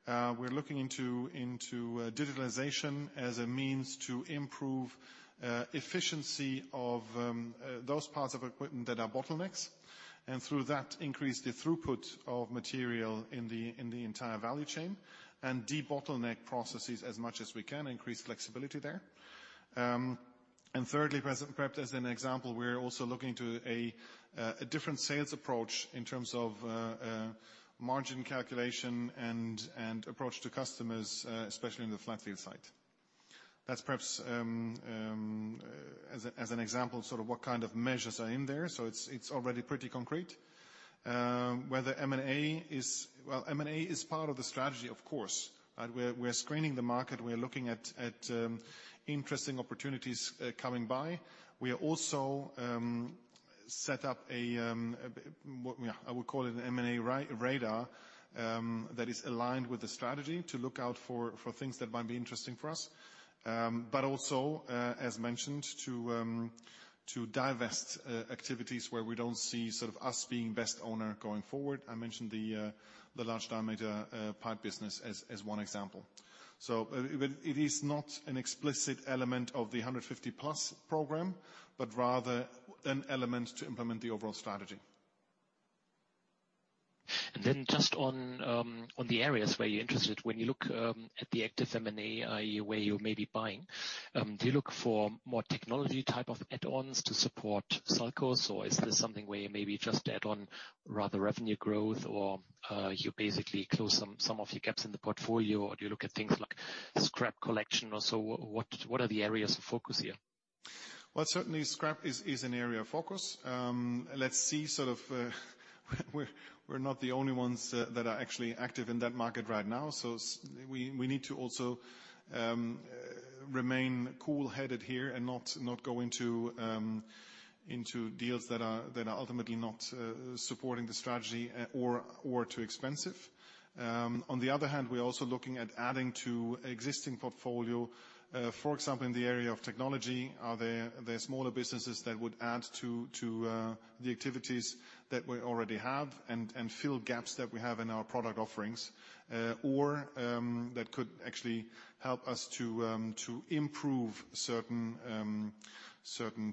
We're looking into digitalization as a means to improve efficiency of those parts of equipment that are bottlenecks, and through that, increase the throughput of material in the entire value chain and debottleneck processes as much as we can, increase flexibility there. Perhaps as an example, we're also looking to a different sales approach in terms of margin calculation and approach to customers, especially in the flat steel site. That's perhaps as an example sort of what kind of measures are in there. So it's already pretty concrete. Well, M&A is part of the strategy, of course. We're screening the market. We're looking at interesting opportunities coming by. We are also set up a what, yeah, I would call it an M&A radar that is aligned with the strategy to look out for things that might be interesting for us, but also, as mentioned, to divest activities where we don't see sort of us being best owner going forward. I mentioned the large diameter pipe business as one example. It is not an explicit element of the 150+ program, but rather an element to implement the overall strategy. Just on the areas where you're interested, when you look at the active M&A, i.e., where you may be buying, do you look for more technology type of add-ons to support SALCOS? Or is this something where you maybe just add on rather revenue growth or you basically close some of your gaps in the portfolio? Or do you look at things like scrap collection? Or so what are the areas of focus here? Well, certainly scrap is an area of focus. Let's see, we're not the only ones that are actually active in that market right now, so we need to also remain cool-headed here and not go into deals that are ultimately not supporting the strategy or too expensive. On the other hand, we're also looking at adding to existing portfolio for example, in the area of technology. Are there smaller businesses that would add to the activities that we already have and fill gaps that we have in our product offerings or that could actually help us to improve certain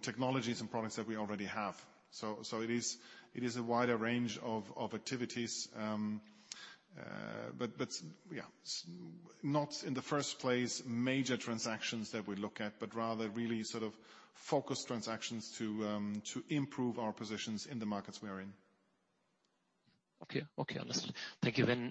technologies and products that we already have. It is a wider range of activities, but not in the first place major transactions that we look at, but rather really sort of focused transactions to improve our positions in the markets we are in. Okay, understood. Thank you.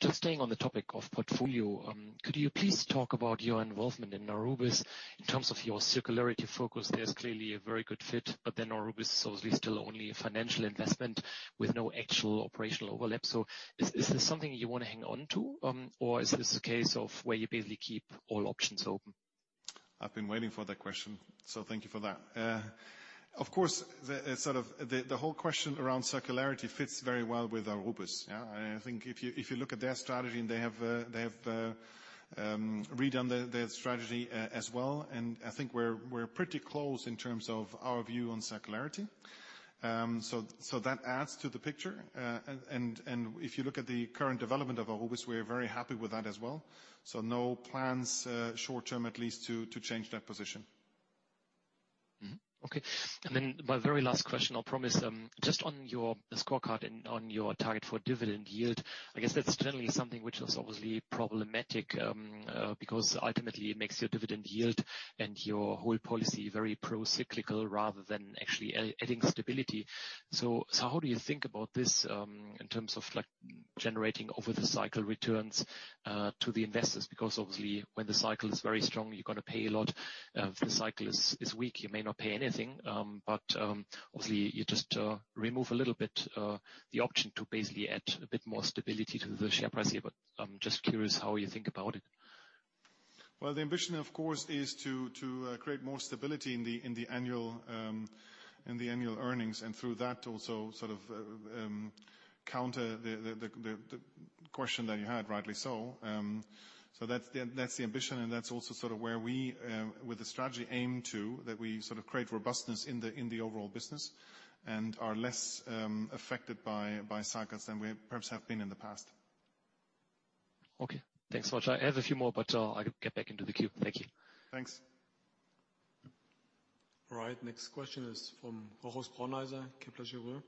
Just staying on the topic of portfolio, could you please talk about your involvement in Aurubis? In terms of your circularity focus, there's clearly a very good fit, but then Aurubis is obviously still only a financial investment with no actual operational overlap. So is this something you wanna hang on to, or is this a case of where you basically keep all options open? I've been waiting for that question, so thank you for that. Of course, the whole question around circularity fits very well with Aurubis, yeah. I think if you look at their strategy, and they have redone their strategy as well, and I think we're pretty close in terms of our view on circularity. That adds to the picture. If you look at the current development of Aurubis, we're very happy with that as well. No plans short-term at least to change that position. My very last question, I promise, just on your scorecard and on your target for dividend yield, I guess that's generally something which was obviously problematic, because ultimately it makes your dividend yield and your whole policy very pro-cyclical rather than actually adding stability. How do you think about this, in terms of, like, generating over the cycle returns, to the investors? Because obviously when the cycle is very strong, you're gonna pay a lot. If the cycle is weak, you may not pay anything. Obviously you just remove a little bit the option to basically add a bit more stability to the share price here. I'm just curious how you think about it. Well, the ambition, of course, is to create more stability in the annual earnings, and through that also sort of counter the question that you had, rightly so. So that's the ambition, and that's also sort of where we with the strategy aim to that we sort of create robustness in the overall business and are less affected by cycles than we perhaps have been in the past. Okay. Thanks so much. I have a few more, but I'll get back into the queue. Thank you. Thanks. All right, next question is from Boris Bourdet, Kepler Cheuvreux.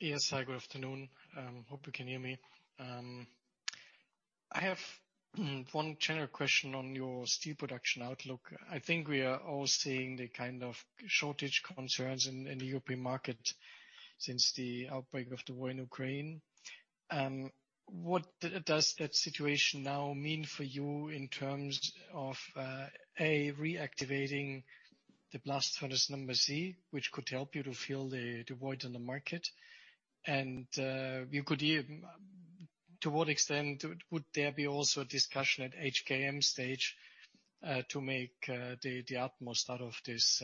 Yes. Hi, good afternoon. Hope you can hear me. I have one general question on your steel production outlook. I think we are all seeing the kind of shortage concerns in the European market since the outbreak of the war in Ukraine. What does that situation now mean for you in terms of reactivating the blast furnace number C, which could help you to fill the void in the market? To what extent would there be also a discussion at HKM stage to make the utmost out of this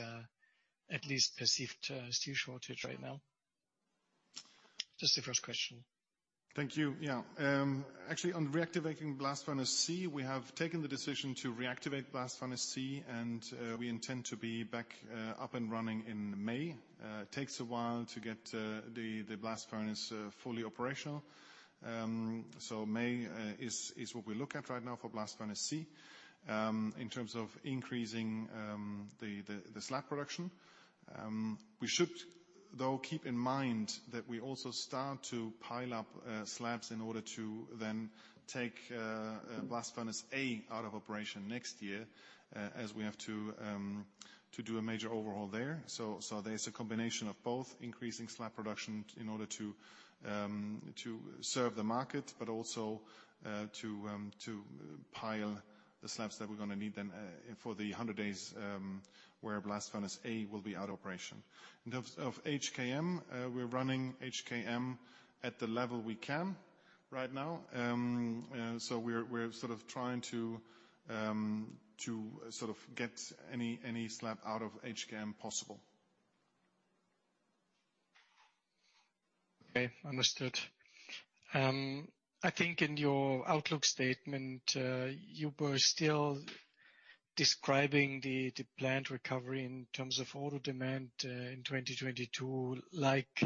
at least perceived steel shortage right now? Just the first question. Thank you. Yeah. Actually, on reactivating Blast Furnace C, we have taken the decision to reactivate Blast Furnace C, and we intend to be back up and running in May. It takes a while to get the blast furnace fully operational. May is what we look at right now for Blast Furnace C. In terms of increasing the slab production, we should, though, keep in mind that we also start to pile up slabs in order to then take blast furnace A out of operation next year, as we have to do a major overhaul there. There's a combination of both increasing slab production in order to serve the market, but also to pile the slabs that we're gonna need then for the 100 days where blast furnace A will be out of operation. In terms of HKM, we're running HKM at the level we can right now. We're sort of trying to sort of get any slab out of HKM possible. Okay. Understood. I think in your outlook statement, you were still describing the planned recovery in terms of auto demand in 2022, like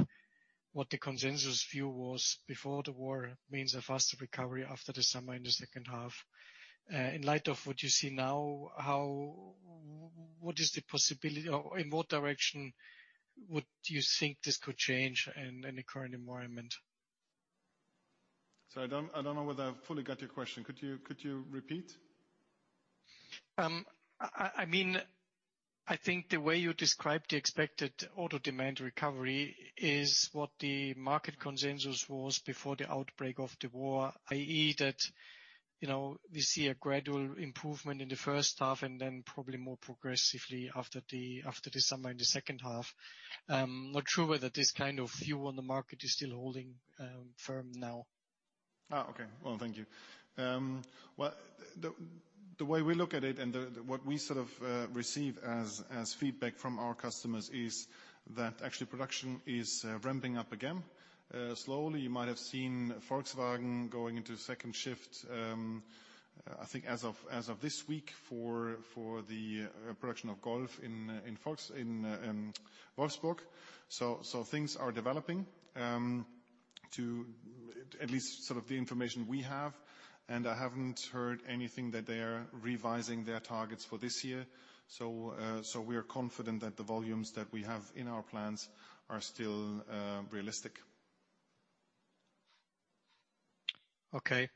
what the consensus view was before the war, means a faster recovery after the summer in the second half. In light of what you see now, how, what is the possibility or in what direction would you think this could change in the current environment? Sorry, I don't know whether I've fully got your question. Could you repeat? I mean, I think the way you described the expected auto demand recovery is what the market consensus was before the outbreak of the war, i.e., that, you know, we see a gradual improvement in the first half and then probably more progressively after the summer in the second half. Not sure whether this kind of view on the market is still holding firm now. Well, thank you. The way we look at it and what we sort of receive as feedback from our customers is that actually production is ramping up again slowly. You might have seen Volkswagen going into second shift, I think as of this week for the production of Golf in Wolfsburg. Things are developing to at least sort of the information we have, and I haven't heard anything that they are revising their targets for this year. We are confident that the volumes that we have in our plans are still realistic. Okay.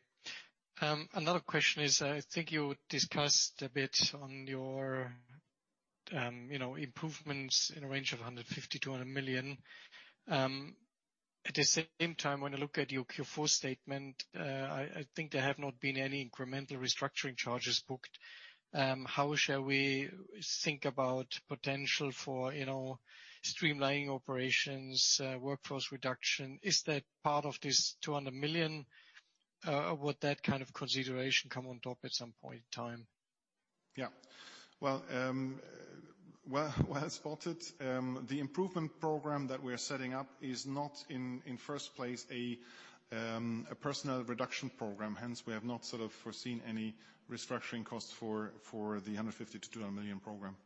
Another question is, I think you discussed a bit on your, you know, improvements in a range of 150 million-200 million. At the same time, when I look at your Q4 statement, I think there have not been any incremental restructuring charges booked. How shall we think about potential for, you know, streamlining operations, workforce reduction? Is that part of this 200 million? Or would that kind of consideration come on top at some point in time? Well spotted. The improvement program that we are setting up is not in first place a personnel reduction program. Hence, we have not sort of foreseen any restructuring costs for the 150 million-200 million program.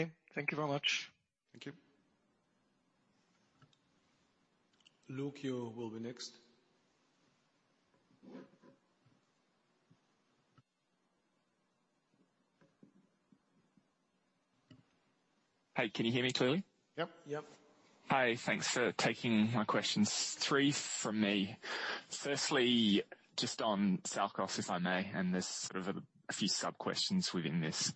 Okay, thank you very much. Thank you. Lucio will be next. Hey, can you hear me clearly? Yep. Yep. Hi, thanks for taking my questions. Three from me. Firstly, just on SALCOS, if I may, and there's sort of a few sub-questions within this.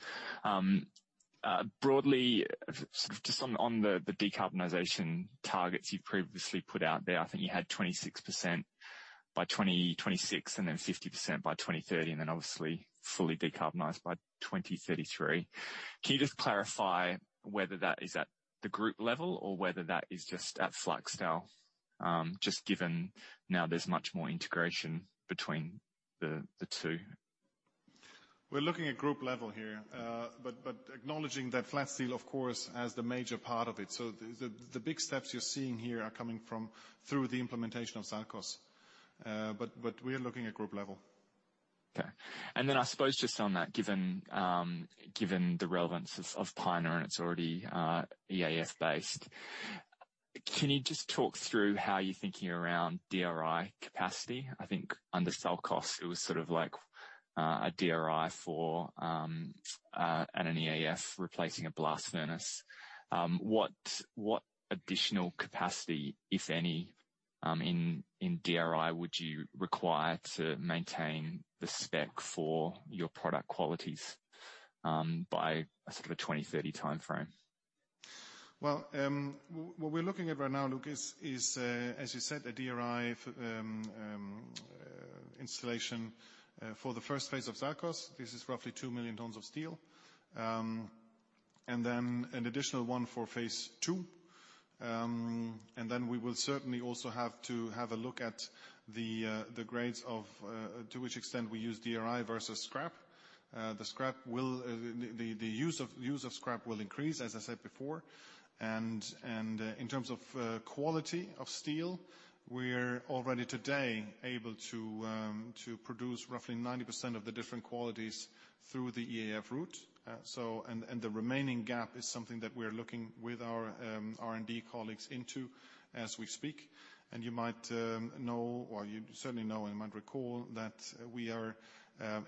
Broadly, sort of just on the decarbonization targets you previously put out there, I think you had 26% by 2026, and then 50% by 2030, and then obviously fully decarbonized by 2033. Can you just clarify whether that is at the group level or whether that is just at Flat Steel? Just given now there's much more integration between the two. We're looking at group level here, but acknowledging that Flat Steel, of course, as the major part of it. The big steps you're seeing here are coming from through the implementation of SALCOS. We are looking at group level. Okay. I suppose just on that, given the relevance of Peiner and its already EAF based, can you just talk through how you're thinking around DRI capacity? I think under SALCOS it was sort of like a DRI and an EAF replacing a blast furnace. What additional capacity, if any, in DRI, would you require to maintain the spec for your product qualities by sort of a 2030 timeframe? Well, what we're looking at right now, Lucas, is, as you said, a DRI installation for the first phase of SALCOS. This is roughly 2 million tons of steel. Then an additional one for phase two. Then we will certainly also have to have a look at the grades of to which extent we use DRI versus scrap. The use of scrap will increase, as I said before. In terms of quality of steel, we're already today able to produce roughly 90% of the different qualities through the EAF route. So, the remaining gap is something that we are looking with our R&D colleagues into as we speak. You might know, or you certainly know and might recall, that we are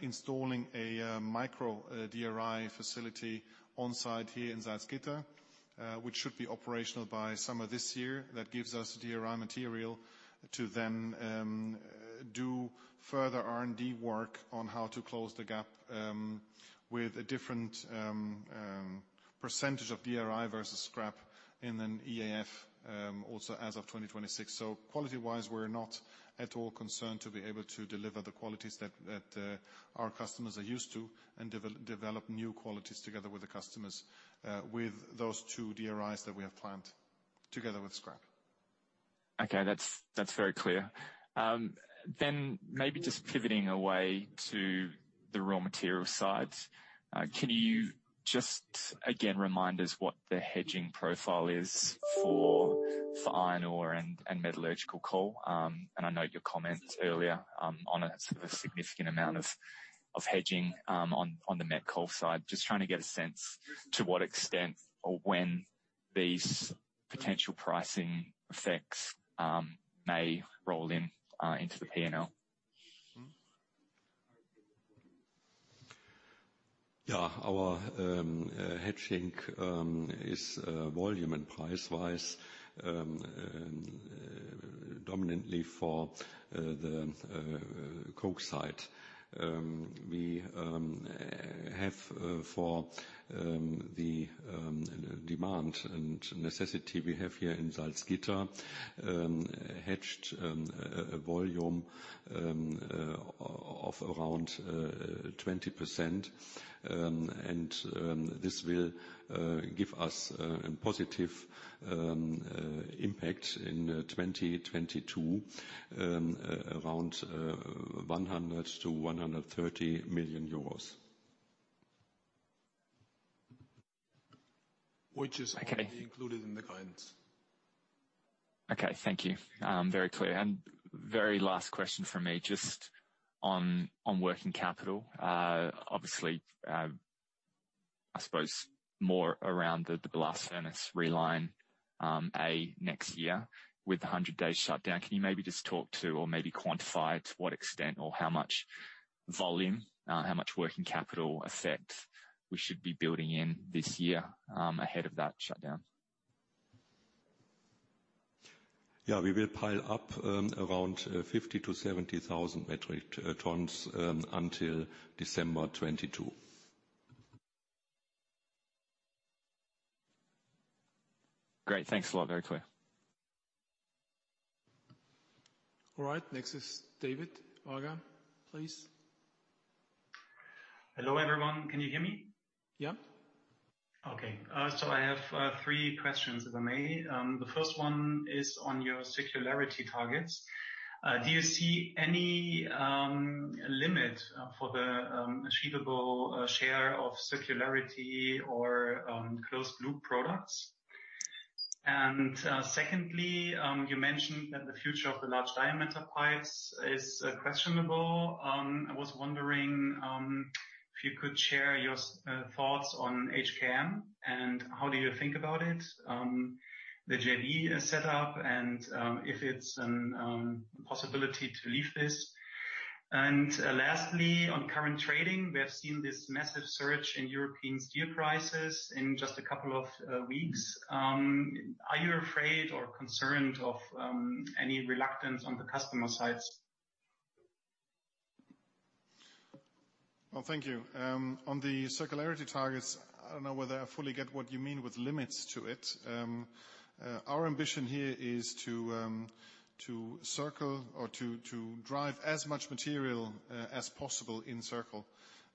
installing a micro DRI facility on site here in Salzgitter, which should be operational by summer this year. That gives us DRI material to then do further R&D work on how to close the gap with a different percentage of DRI versus scrap in an EAF, also as of 2026. Quality-wise, we're not at all concerned to be able to deliver the qualities that our customers are used to and develop new qualities together with the customers with those two DRIs that we have planned together with scrap. Okay. That's very clear. Maybe just pivoting away to the raw material side. Can you just again remind us what the hedging profile is for iron ore and metallurgical coal? I know your comments earlier on a sort of significant amount of hedging on the met coal side. Just trying to get a sense to what extent or when these potential pricing effects may roll into the P&L. Yeah. Our hedging is volume and price-wise dominantly for the coke site. We have for the demand and necessity we have here in Salzgitter hedged a volume of around 20%. This will give us a positive impact in 2022 around EUR 100 million-EUR 130 million. Which is Okay. Already included in the guidance. Okay. Thank you. Very clear. Very last question from me, just on working capital. Obviously, I suppose more around the blast furnace reline and next year with the 100-day shutdown. Can you maybe just talk to or maybe quantify to what extent or how much volume, how much working capital effect we should be building in this year ahead of that shutdown? Yeah, we will pile up around 50,000-70,000 metric tons until December 2022. Great. Thanks a lot. Very clear. All right, next is David Wagar, please. Hello, everyone. Can you hear me? Yeah. Okay. I have three questions, if I may. The first one is on your circularity targets. Do you see any limit for the achievable share of circularity or closed loop products? Secondly, you mentioned that the future of the large diameter pipes is questionable. I was wondering if you could share your thoughts on HKM, and how do you think about it? The JV is set up and if it's a possibility to leave this. Lastly, on current trading, we have seen this massive surge in European steel prices in just a couple of weeks. Are you afraid or concerned of any reluctance on the customer sides? Well, thank you. On the circularity targets, I don't know whether I fully get what you mean with limits to it. Our ambition here is to circle or to drive as much material as possible in circle.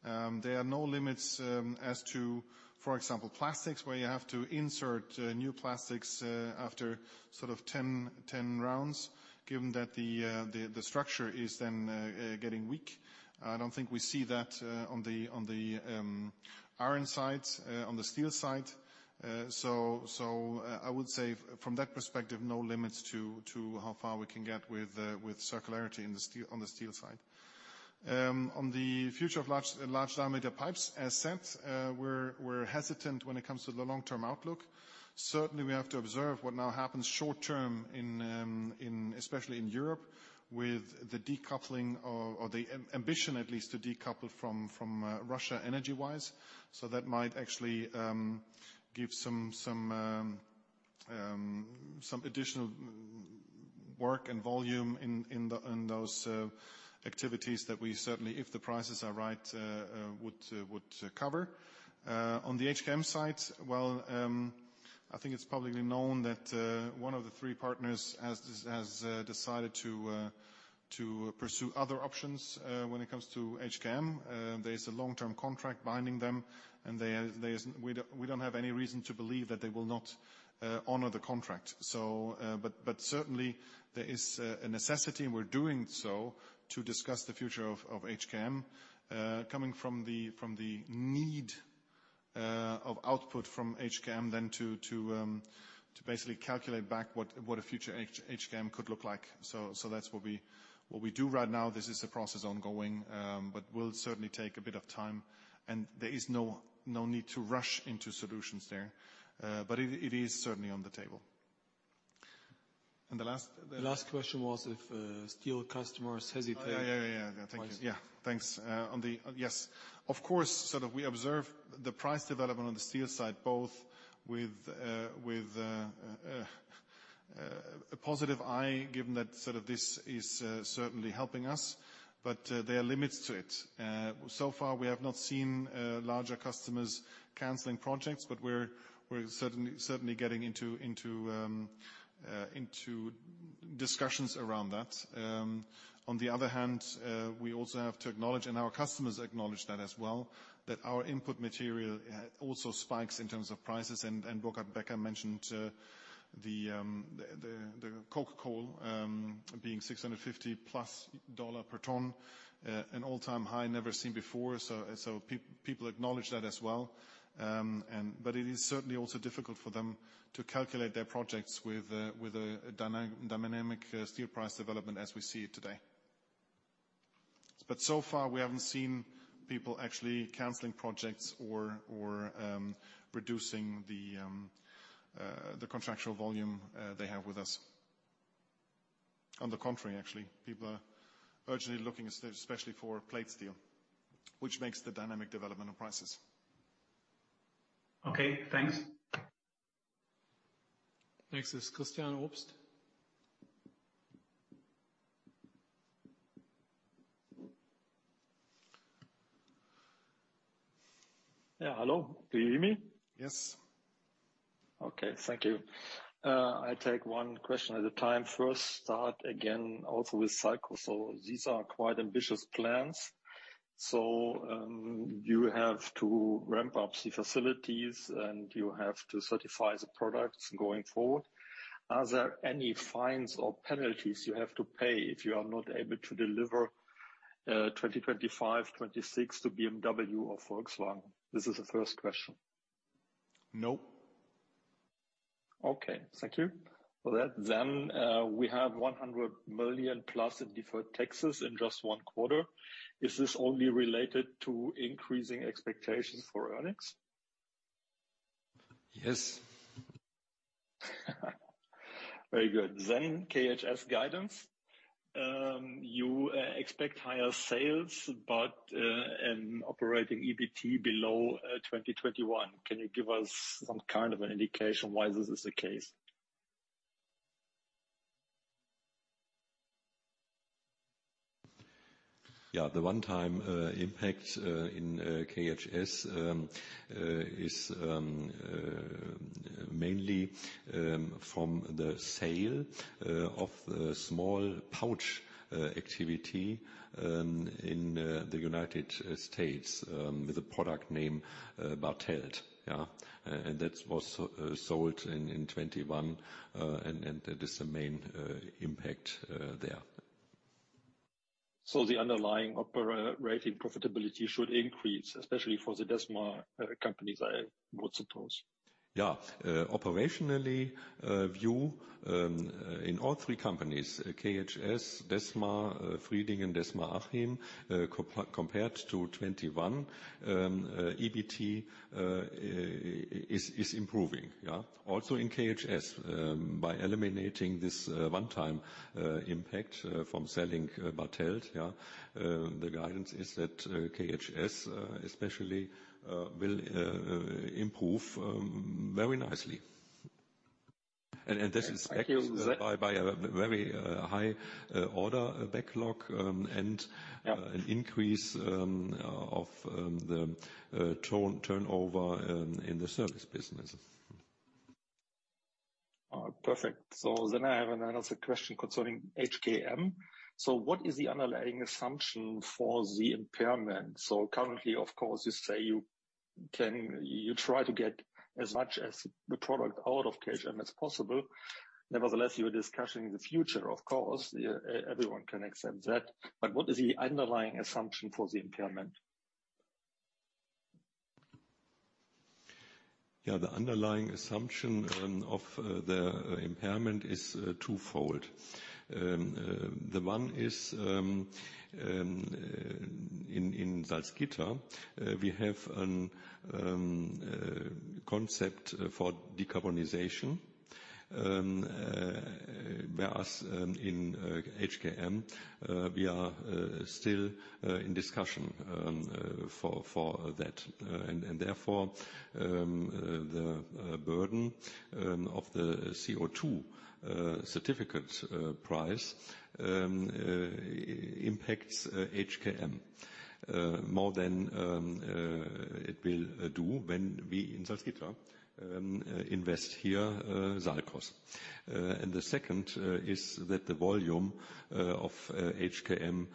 There are no limits as to, for example, plastics, where you have to insert new plastics after sort of 10 rounds, given that the structure is then getting weak. I don't think we see that on the iron side, on the steel side. I would say from that perspective, no limits to how far we can get with circularity in the steel on the steel side. On the future of large diameter pipes asset, we're hesitant when it comes to the long-term outlook. Certainly, we have to observe what now happens short-term in, especially in Europe, with the decoupling or the ambition at least to decouple from Russia energy-wise. That might actually give some additional work and volume in those activities that we certainly, if the prices are right, would cover. On the HKM side, I think it's publicly known that one of the three partners has decided to pursue other options when it comes to HKM. There's a long-term contract binding them, and they We don't have any reason to believe that they will not honor the contract. Certainly there is a necessity, and we're doing so to discuss the future of HKM, coming from the need of output from HKM then to basically calculate back what a future HKM could look like. That's what we do right now. This is a process ongoing, but will certainly take a bit of time, and there is no need to rush into solutions there. It is certainly on the table. The last The last question was if steel customers hesitate. Yeah. Thank you. Wise. Yeah. Thanks. Yes, of course. So that we observe the price development on the steel side, both with a positive eye, given that this is certainly helping us, but there are limits to it. So far we have not seen larger customers canceling projects, but we're certainly getting into discussions around that. On the other hand, we also have to acknowledge, and our customers acknowledge that as well, that our input material also spikes in terms of prices. Burkhard Becker mentioned the coking coal being $650+ per ton, an all-time high never seen before. People acknowledge that as well. It is certainly also difficult for them to calculate their projects with a dynamic steel price development as we see it today. So far, we haven't seen people actually canceling projects or reducing the contractual volume they have with us. On the contrary, actually, people are urgently looking, especially for plate steel, which makes the dynamic development of prices. Okay, thanks. Next is Christian Obst. Yeah, hello. Do you hear me? Yes. Okay, thank you. I take one question at a time. First, start again also with steel. These are quite ambitious plans. You have to ramp up the facilities and you have to certify the products going forward. Are there any fines or penalties you have to pay if you are not able to deliver 2025, 2026 to BMW or Volkswagen? This is the first question. No. Okay. Thank you. Well, then, we have 100 million plus in deferred taxes in just one quarter. Is this only related to increasing expectations for earnings? Yes. Very good. KHS guidance, you expect higher sales but an operating EBT below 2021. Can you give us some kind of an indication why this is the case? Yeah. The one-time impact in KHS is mainly from the sale of the small pouch activity in the United States with the product name Bartelt. Yeah. That was sold in 2021. That is the main impact there. The underlying operating profitability should increase, especially for the DESMA companies, I would suppose. Operationally view in all three companies, KHS, DESMA Fridingen, DESMA Achim, compared to 2021, EBT is improving. Also in KHS. By eliminating this one-time impact from selling Bartelt, the guidance is that KHS especially will improve very nicely. That is backed- Thank you. By a very high order backlog, and. Yeah. An increase of the turnover in the service business. Perfect. I have another question concerning HKM. What is the underlying assumption for the impairment? Currently, of course, you say you try to get as much of the product out of HKM as possible. Nevertheless, you are discussing the future, of course. Everyone can accept that. What is the underlying assumption for the impairment? Yeah. The underlying assumption of the impairment is twofold. The one is in Salzgitter, we have a concept for decarbonization. Whereas in HKM, we are still in discussion for that. Therefore, the burden of the CO2 certificate price impacts HKM more than it will do when we in Salzgitter invest here, SALCOS. The second is that the volume of HKM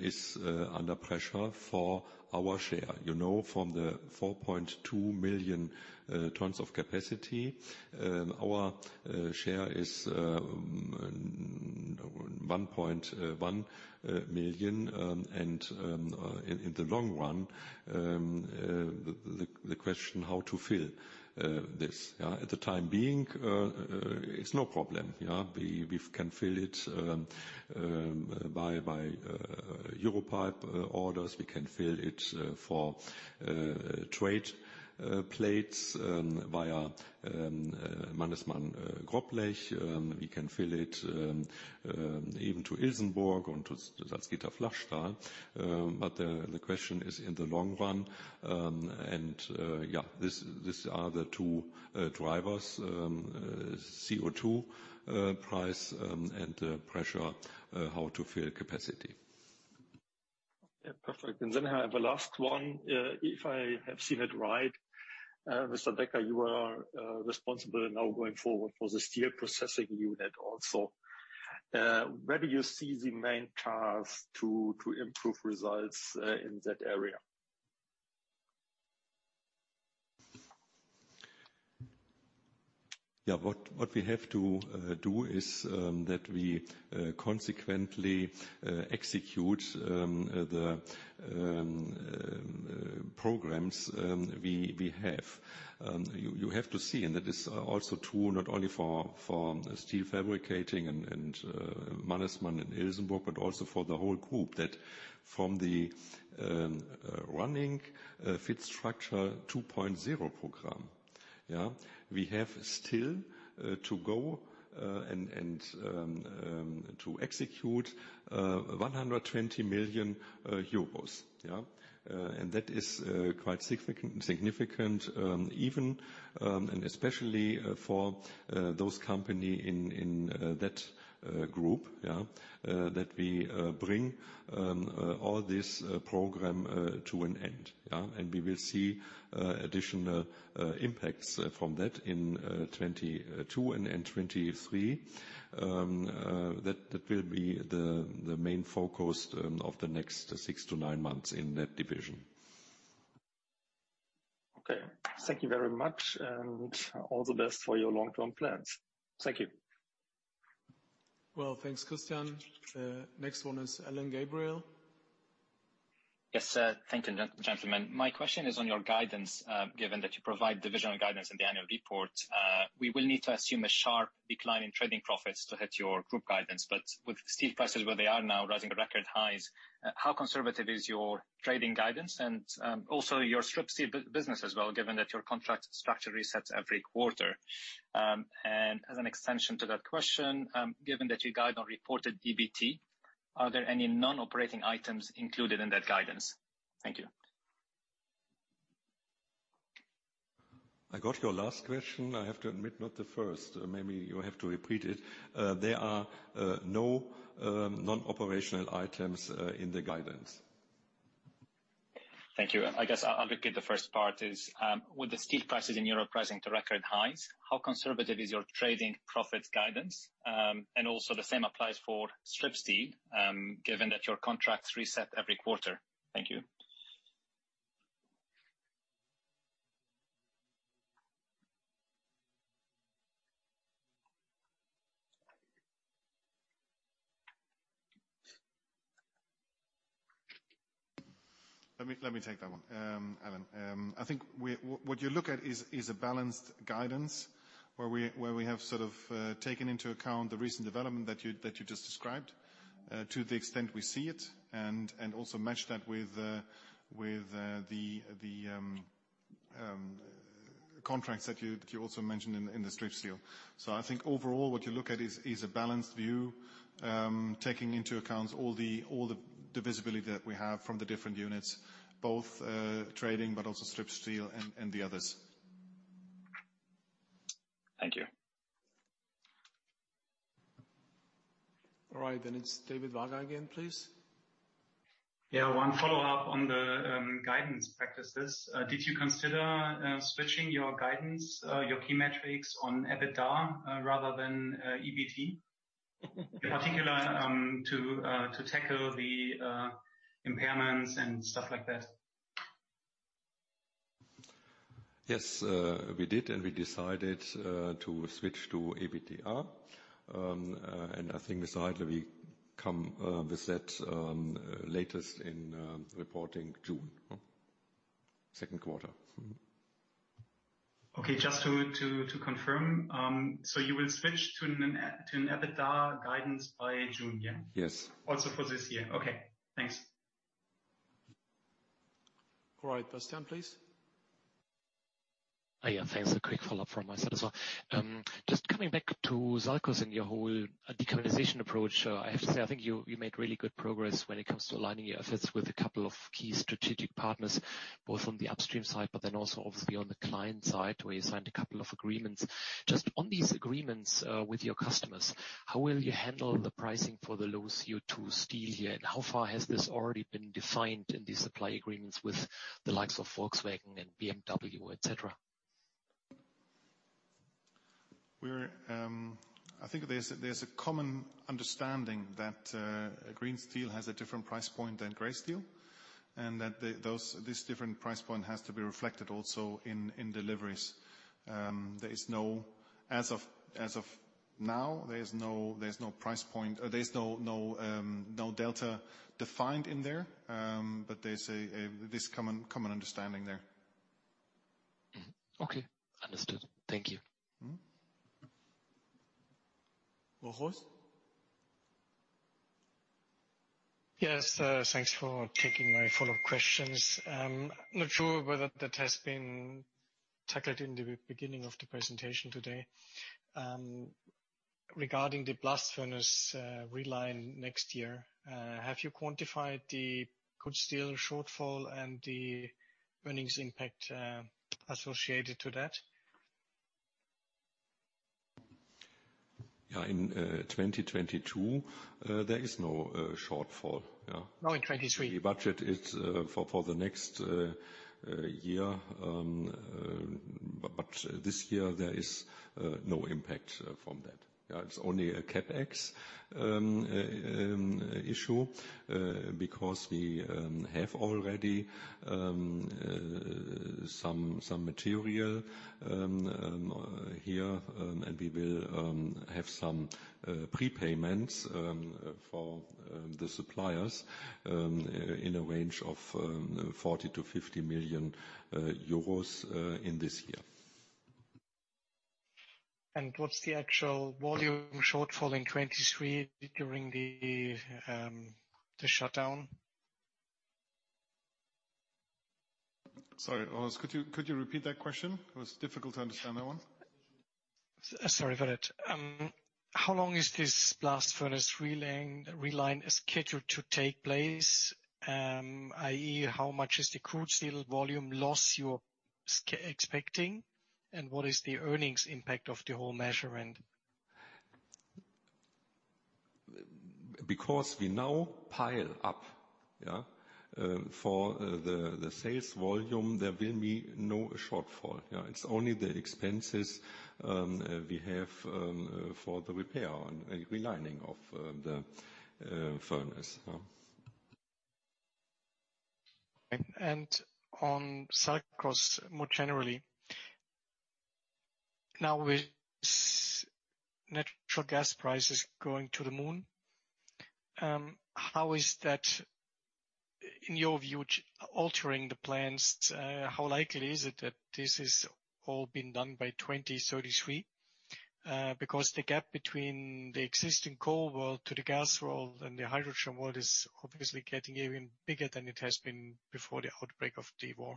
is under pressure for our share. You know, from the 4.2 million tons of capacity, our share is 1.1 million. In the long run, the question how to fill this. At the time being, it's no problem. We can fill it by EUROPIPE orders. We can fill it for trade plates via Mannesmann Grobblech. We can fill it even to Ilsenburg and to Salzgitter Flachstahl. The question is in the long run. This are the two drivers, CO2 price, and pressure how to fill capacity. Yeah. Perfect. Then I have a last one. If I have seen it right, Mr. Becker, you are responsible now going forward for the steel processing unit also. Where do you see the main task to improve results in that area? What we have to do is that we consequently execute the programs we have. You have to see, and that is also true not only for steel fabricating and Mannesmann and Ilsenburg, but also for the whole group, that from the running FitStructure 2.0 program, we have still to go and to execute 100 million euros. And that is quite significant, even and especially for those companies in that group that we bring all this program to an end. We will see additional impacts from that in 2022 and in 2023. That will be the main focus of the next 6-9 months in that division. Okay. Thank you very much, and all the best for your long-term plans. Thank you. Well, thanks, Christian. Next one is Alain Gabriel. Yes, sir. Thank you, gentlemen. My question is on your guidance, given that you provide divisional guidance in the annual report. We will need to assume a sharp decline in trading profits to hit your group guidance. With steel prices where they are now rising to record highs, how conservative is your trading guidance and also your strip steel business as well, given that your contract structure resets every quarter? As an extension to that question, given that your guidance on reported EBT, are there any non-operating items included in that guidance? Thank you. I got your last question. I have to admit, not the first. Maybe you have to repeat it. There are no non-operational items in the guidance. Thank you. I guess I'll repeat the first part is with the steel prices in Europe pricing to record highs, how conservative is your trading profits guidance? Also the same applies for strip steel, given that your contracts reset every quarter. Thank you. Let me take that one. Alain, I think what you look at is a balanced guidance where we have sort of taken into account the recent development that you just described, to the extent we see it, and also match that with the contracts that you also mentioned in the strip steel. I think overall what you look at is a balanced view, taking into account all the visibility that we have from the different units, both trading, but also strip steel and the others. Thank you. All right, it's David Wagar again, please. One follow-up on the guidance practices. Did you consider switching your guidance, your key metrics on EBITDA rather than EBT? In particular, to tackle the impairments and stuff like that. Yes, we did, and we decided to switch to EBITDA. I think besides that we come with that latest in reporting June. Second quarter. Okay. Just to confirm, so you will switch to an EBITDA guidance by June, yeah? Yes. For this year. Okay, thanks. All right. Bastian, please. Oh, yeah, thanks. A quick follow-up from my side as well. Just coming back to SALCOS and your whole decarbonization approach, I have to say, I think you made really good progress when it comes to aligning your efforts with a couple of key strategic partners, both on the upstream side, but then also obviously on the client side, where you signed a couple of agreements. Just on these agreements with your customers, how will you handle the pricing for the low CO2 steel here, and how far has this already been defined in the supply agreements with the likes of Volkswagen and BMW, et cetera? I think there's a common understanding that green steel has a different price point than gray steel, and that this different price point has to be reflected also in deliveries. As of now, there is no delta defined in there, but there's this common understanding there. Okay. Understood. Thank you. Boris Bourdet? Yes, thanks for taking my follow-up questions. Not sure whether that has been tackled in the beginning of the presentation today. Regarding the blast furnace realignment next year, have you quantified the crude steel shortfall and the earnings impact associated to that? Yeah. In 2022, there is no shortfall, yeah? No, in 2023. We budget it for the next year, but this year there is no impact from that. Yeah, it's only a CapEx issue, because we have already some material here, and we will have some prepayments for the suppliers in a range of 40 million-50 million euros in this year. What's the actual volume shortfall in 2023 during the shutdown? Sorry, Boris Bourdet, could you repeat that question? It was difficult to understand that one. Sorry for that. How long is this blast furnace relining scheduled to take place? I.e., how much is the crude steel volume loss you're expecting, and what is the earnings impact of the whole maintenance? Because we now pile up for the sales volume, there will be no shortfall. It's only the expenses we have for the repair and relining of the furnace. On SALCOS more generally, now with natural gas prices going to the moon, how is that, in your view, altering the plans? How likely is it that this is all been done by 2033? Because the gap between the existing coal world to the gas world and the hydrogen world is obviously getting even bigger than it has been before the outbreak of the war.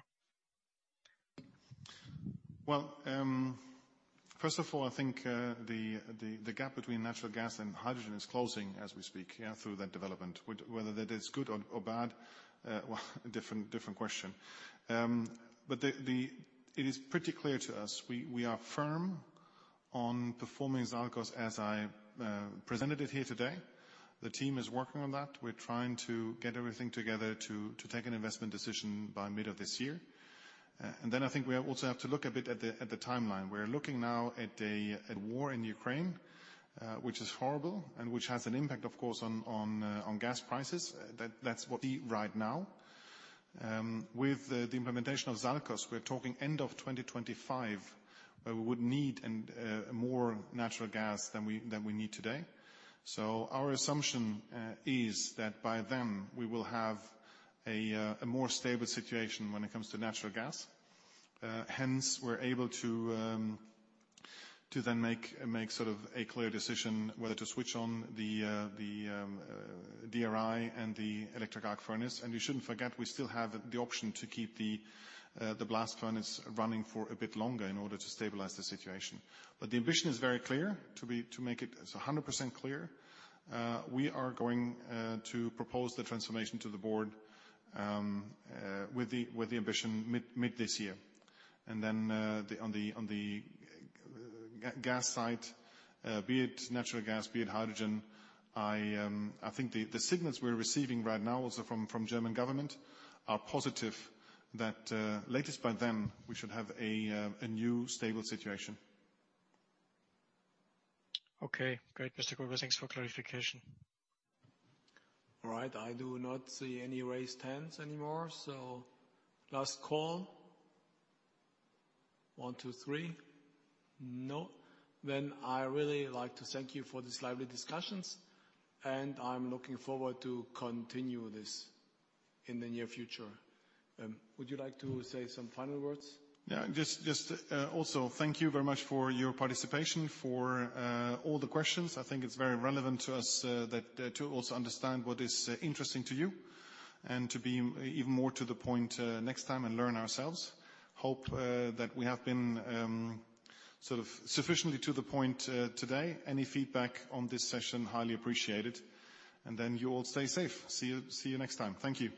Well, first of all, I think, the gap between natural gas and hydrogen is closing as we speak, yeah, through that development. Whether that is good or bad, well, a different question. It is pretty clear to us, we are firm on performing SALCOS as I presented it here today. The team is working on that. We're trying to get everything together to take an investment decision by middle of this year. Then I think we also have to look a bit at the timeline. We're looking now at a war in Ukraine, which is horrible and which has an impact, of course, on gas prices. That's what we see right now. With the implementation of SALCOS, we're talking end of 2025, where we would need more natural gas than we need today. Our assumption is that by then, we will have a more stable situation when it comes to natural gas. Hence, we're able to then make sort of a clear decision whether to switch on the DRI and the Electric Arc Furnace. You shouldn't forget, we still have the option to keep the blast furnace running for a bit longer in order to stabilize the situation. The ambition is very clear. To make it 100% clear, we are going to propose the transformation to the board with the ambition mid this year. On the gas side, be it natural gas, be it hydrogen, I think the signals we're receiving right now also from German government are positive that, latest by then, we should have a new stable situation. Okay. Great, Mr. Groebler. Thanks for clarification. All right. I do not see any raised hands anymore, so last call. One, two, three. No. I really like to thank you for this lively discussions, and I'm looking forward to continue this in the near future. Would you like to say some final words? Yeah. Just also thank you very much for your participation, for all the questions. I think it's very relevant to us that to also understand what is interesting to you and to be even more to the point next time and learn ourselves. Hope that we have been sort of sufficiently to the point today. Any feedback on this session, highly appreciated. Then you all stay safe. See you next time. Thank you.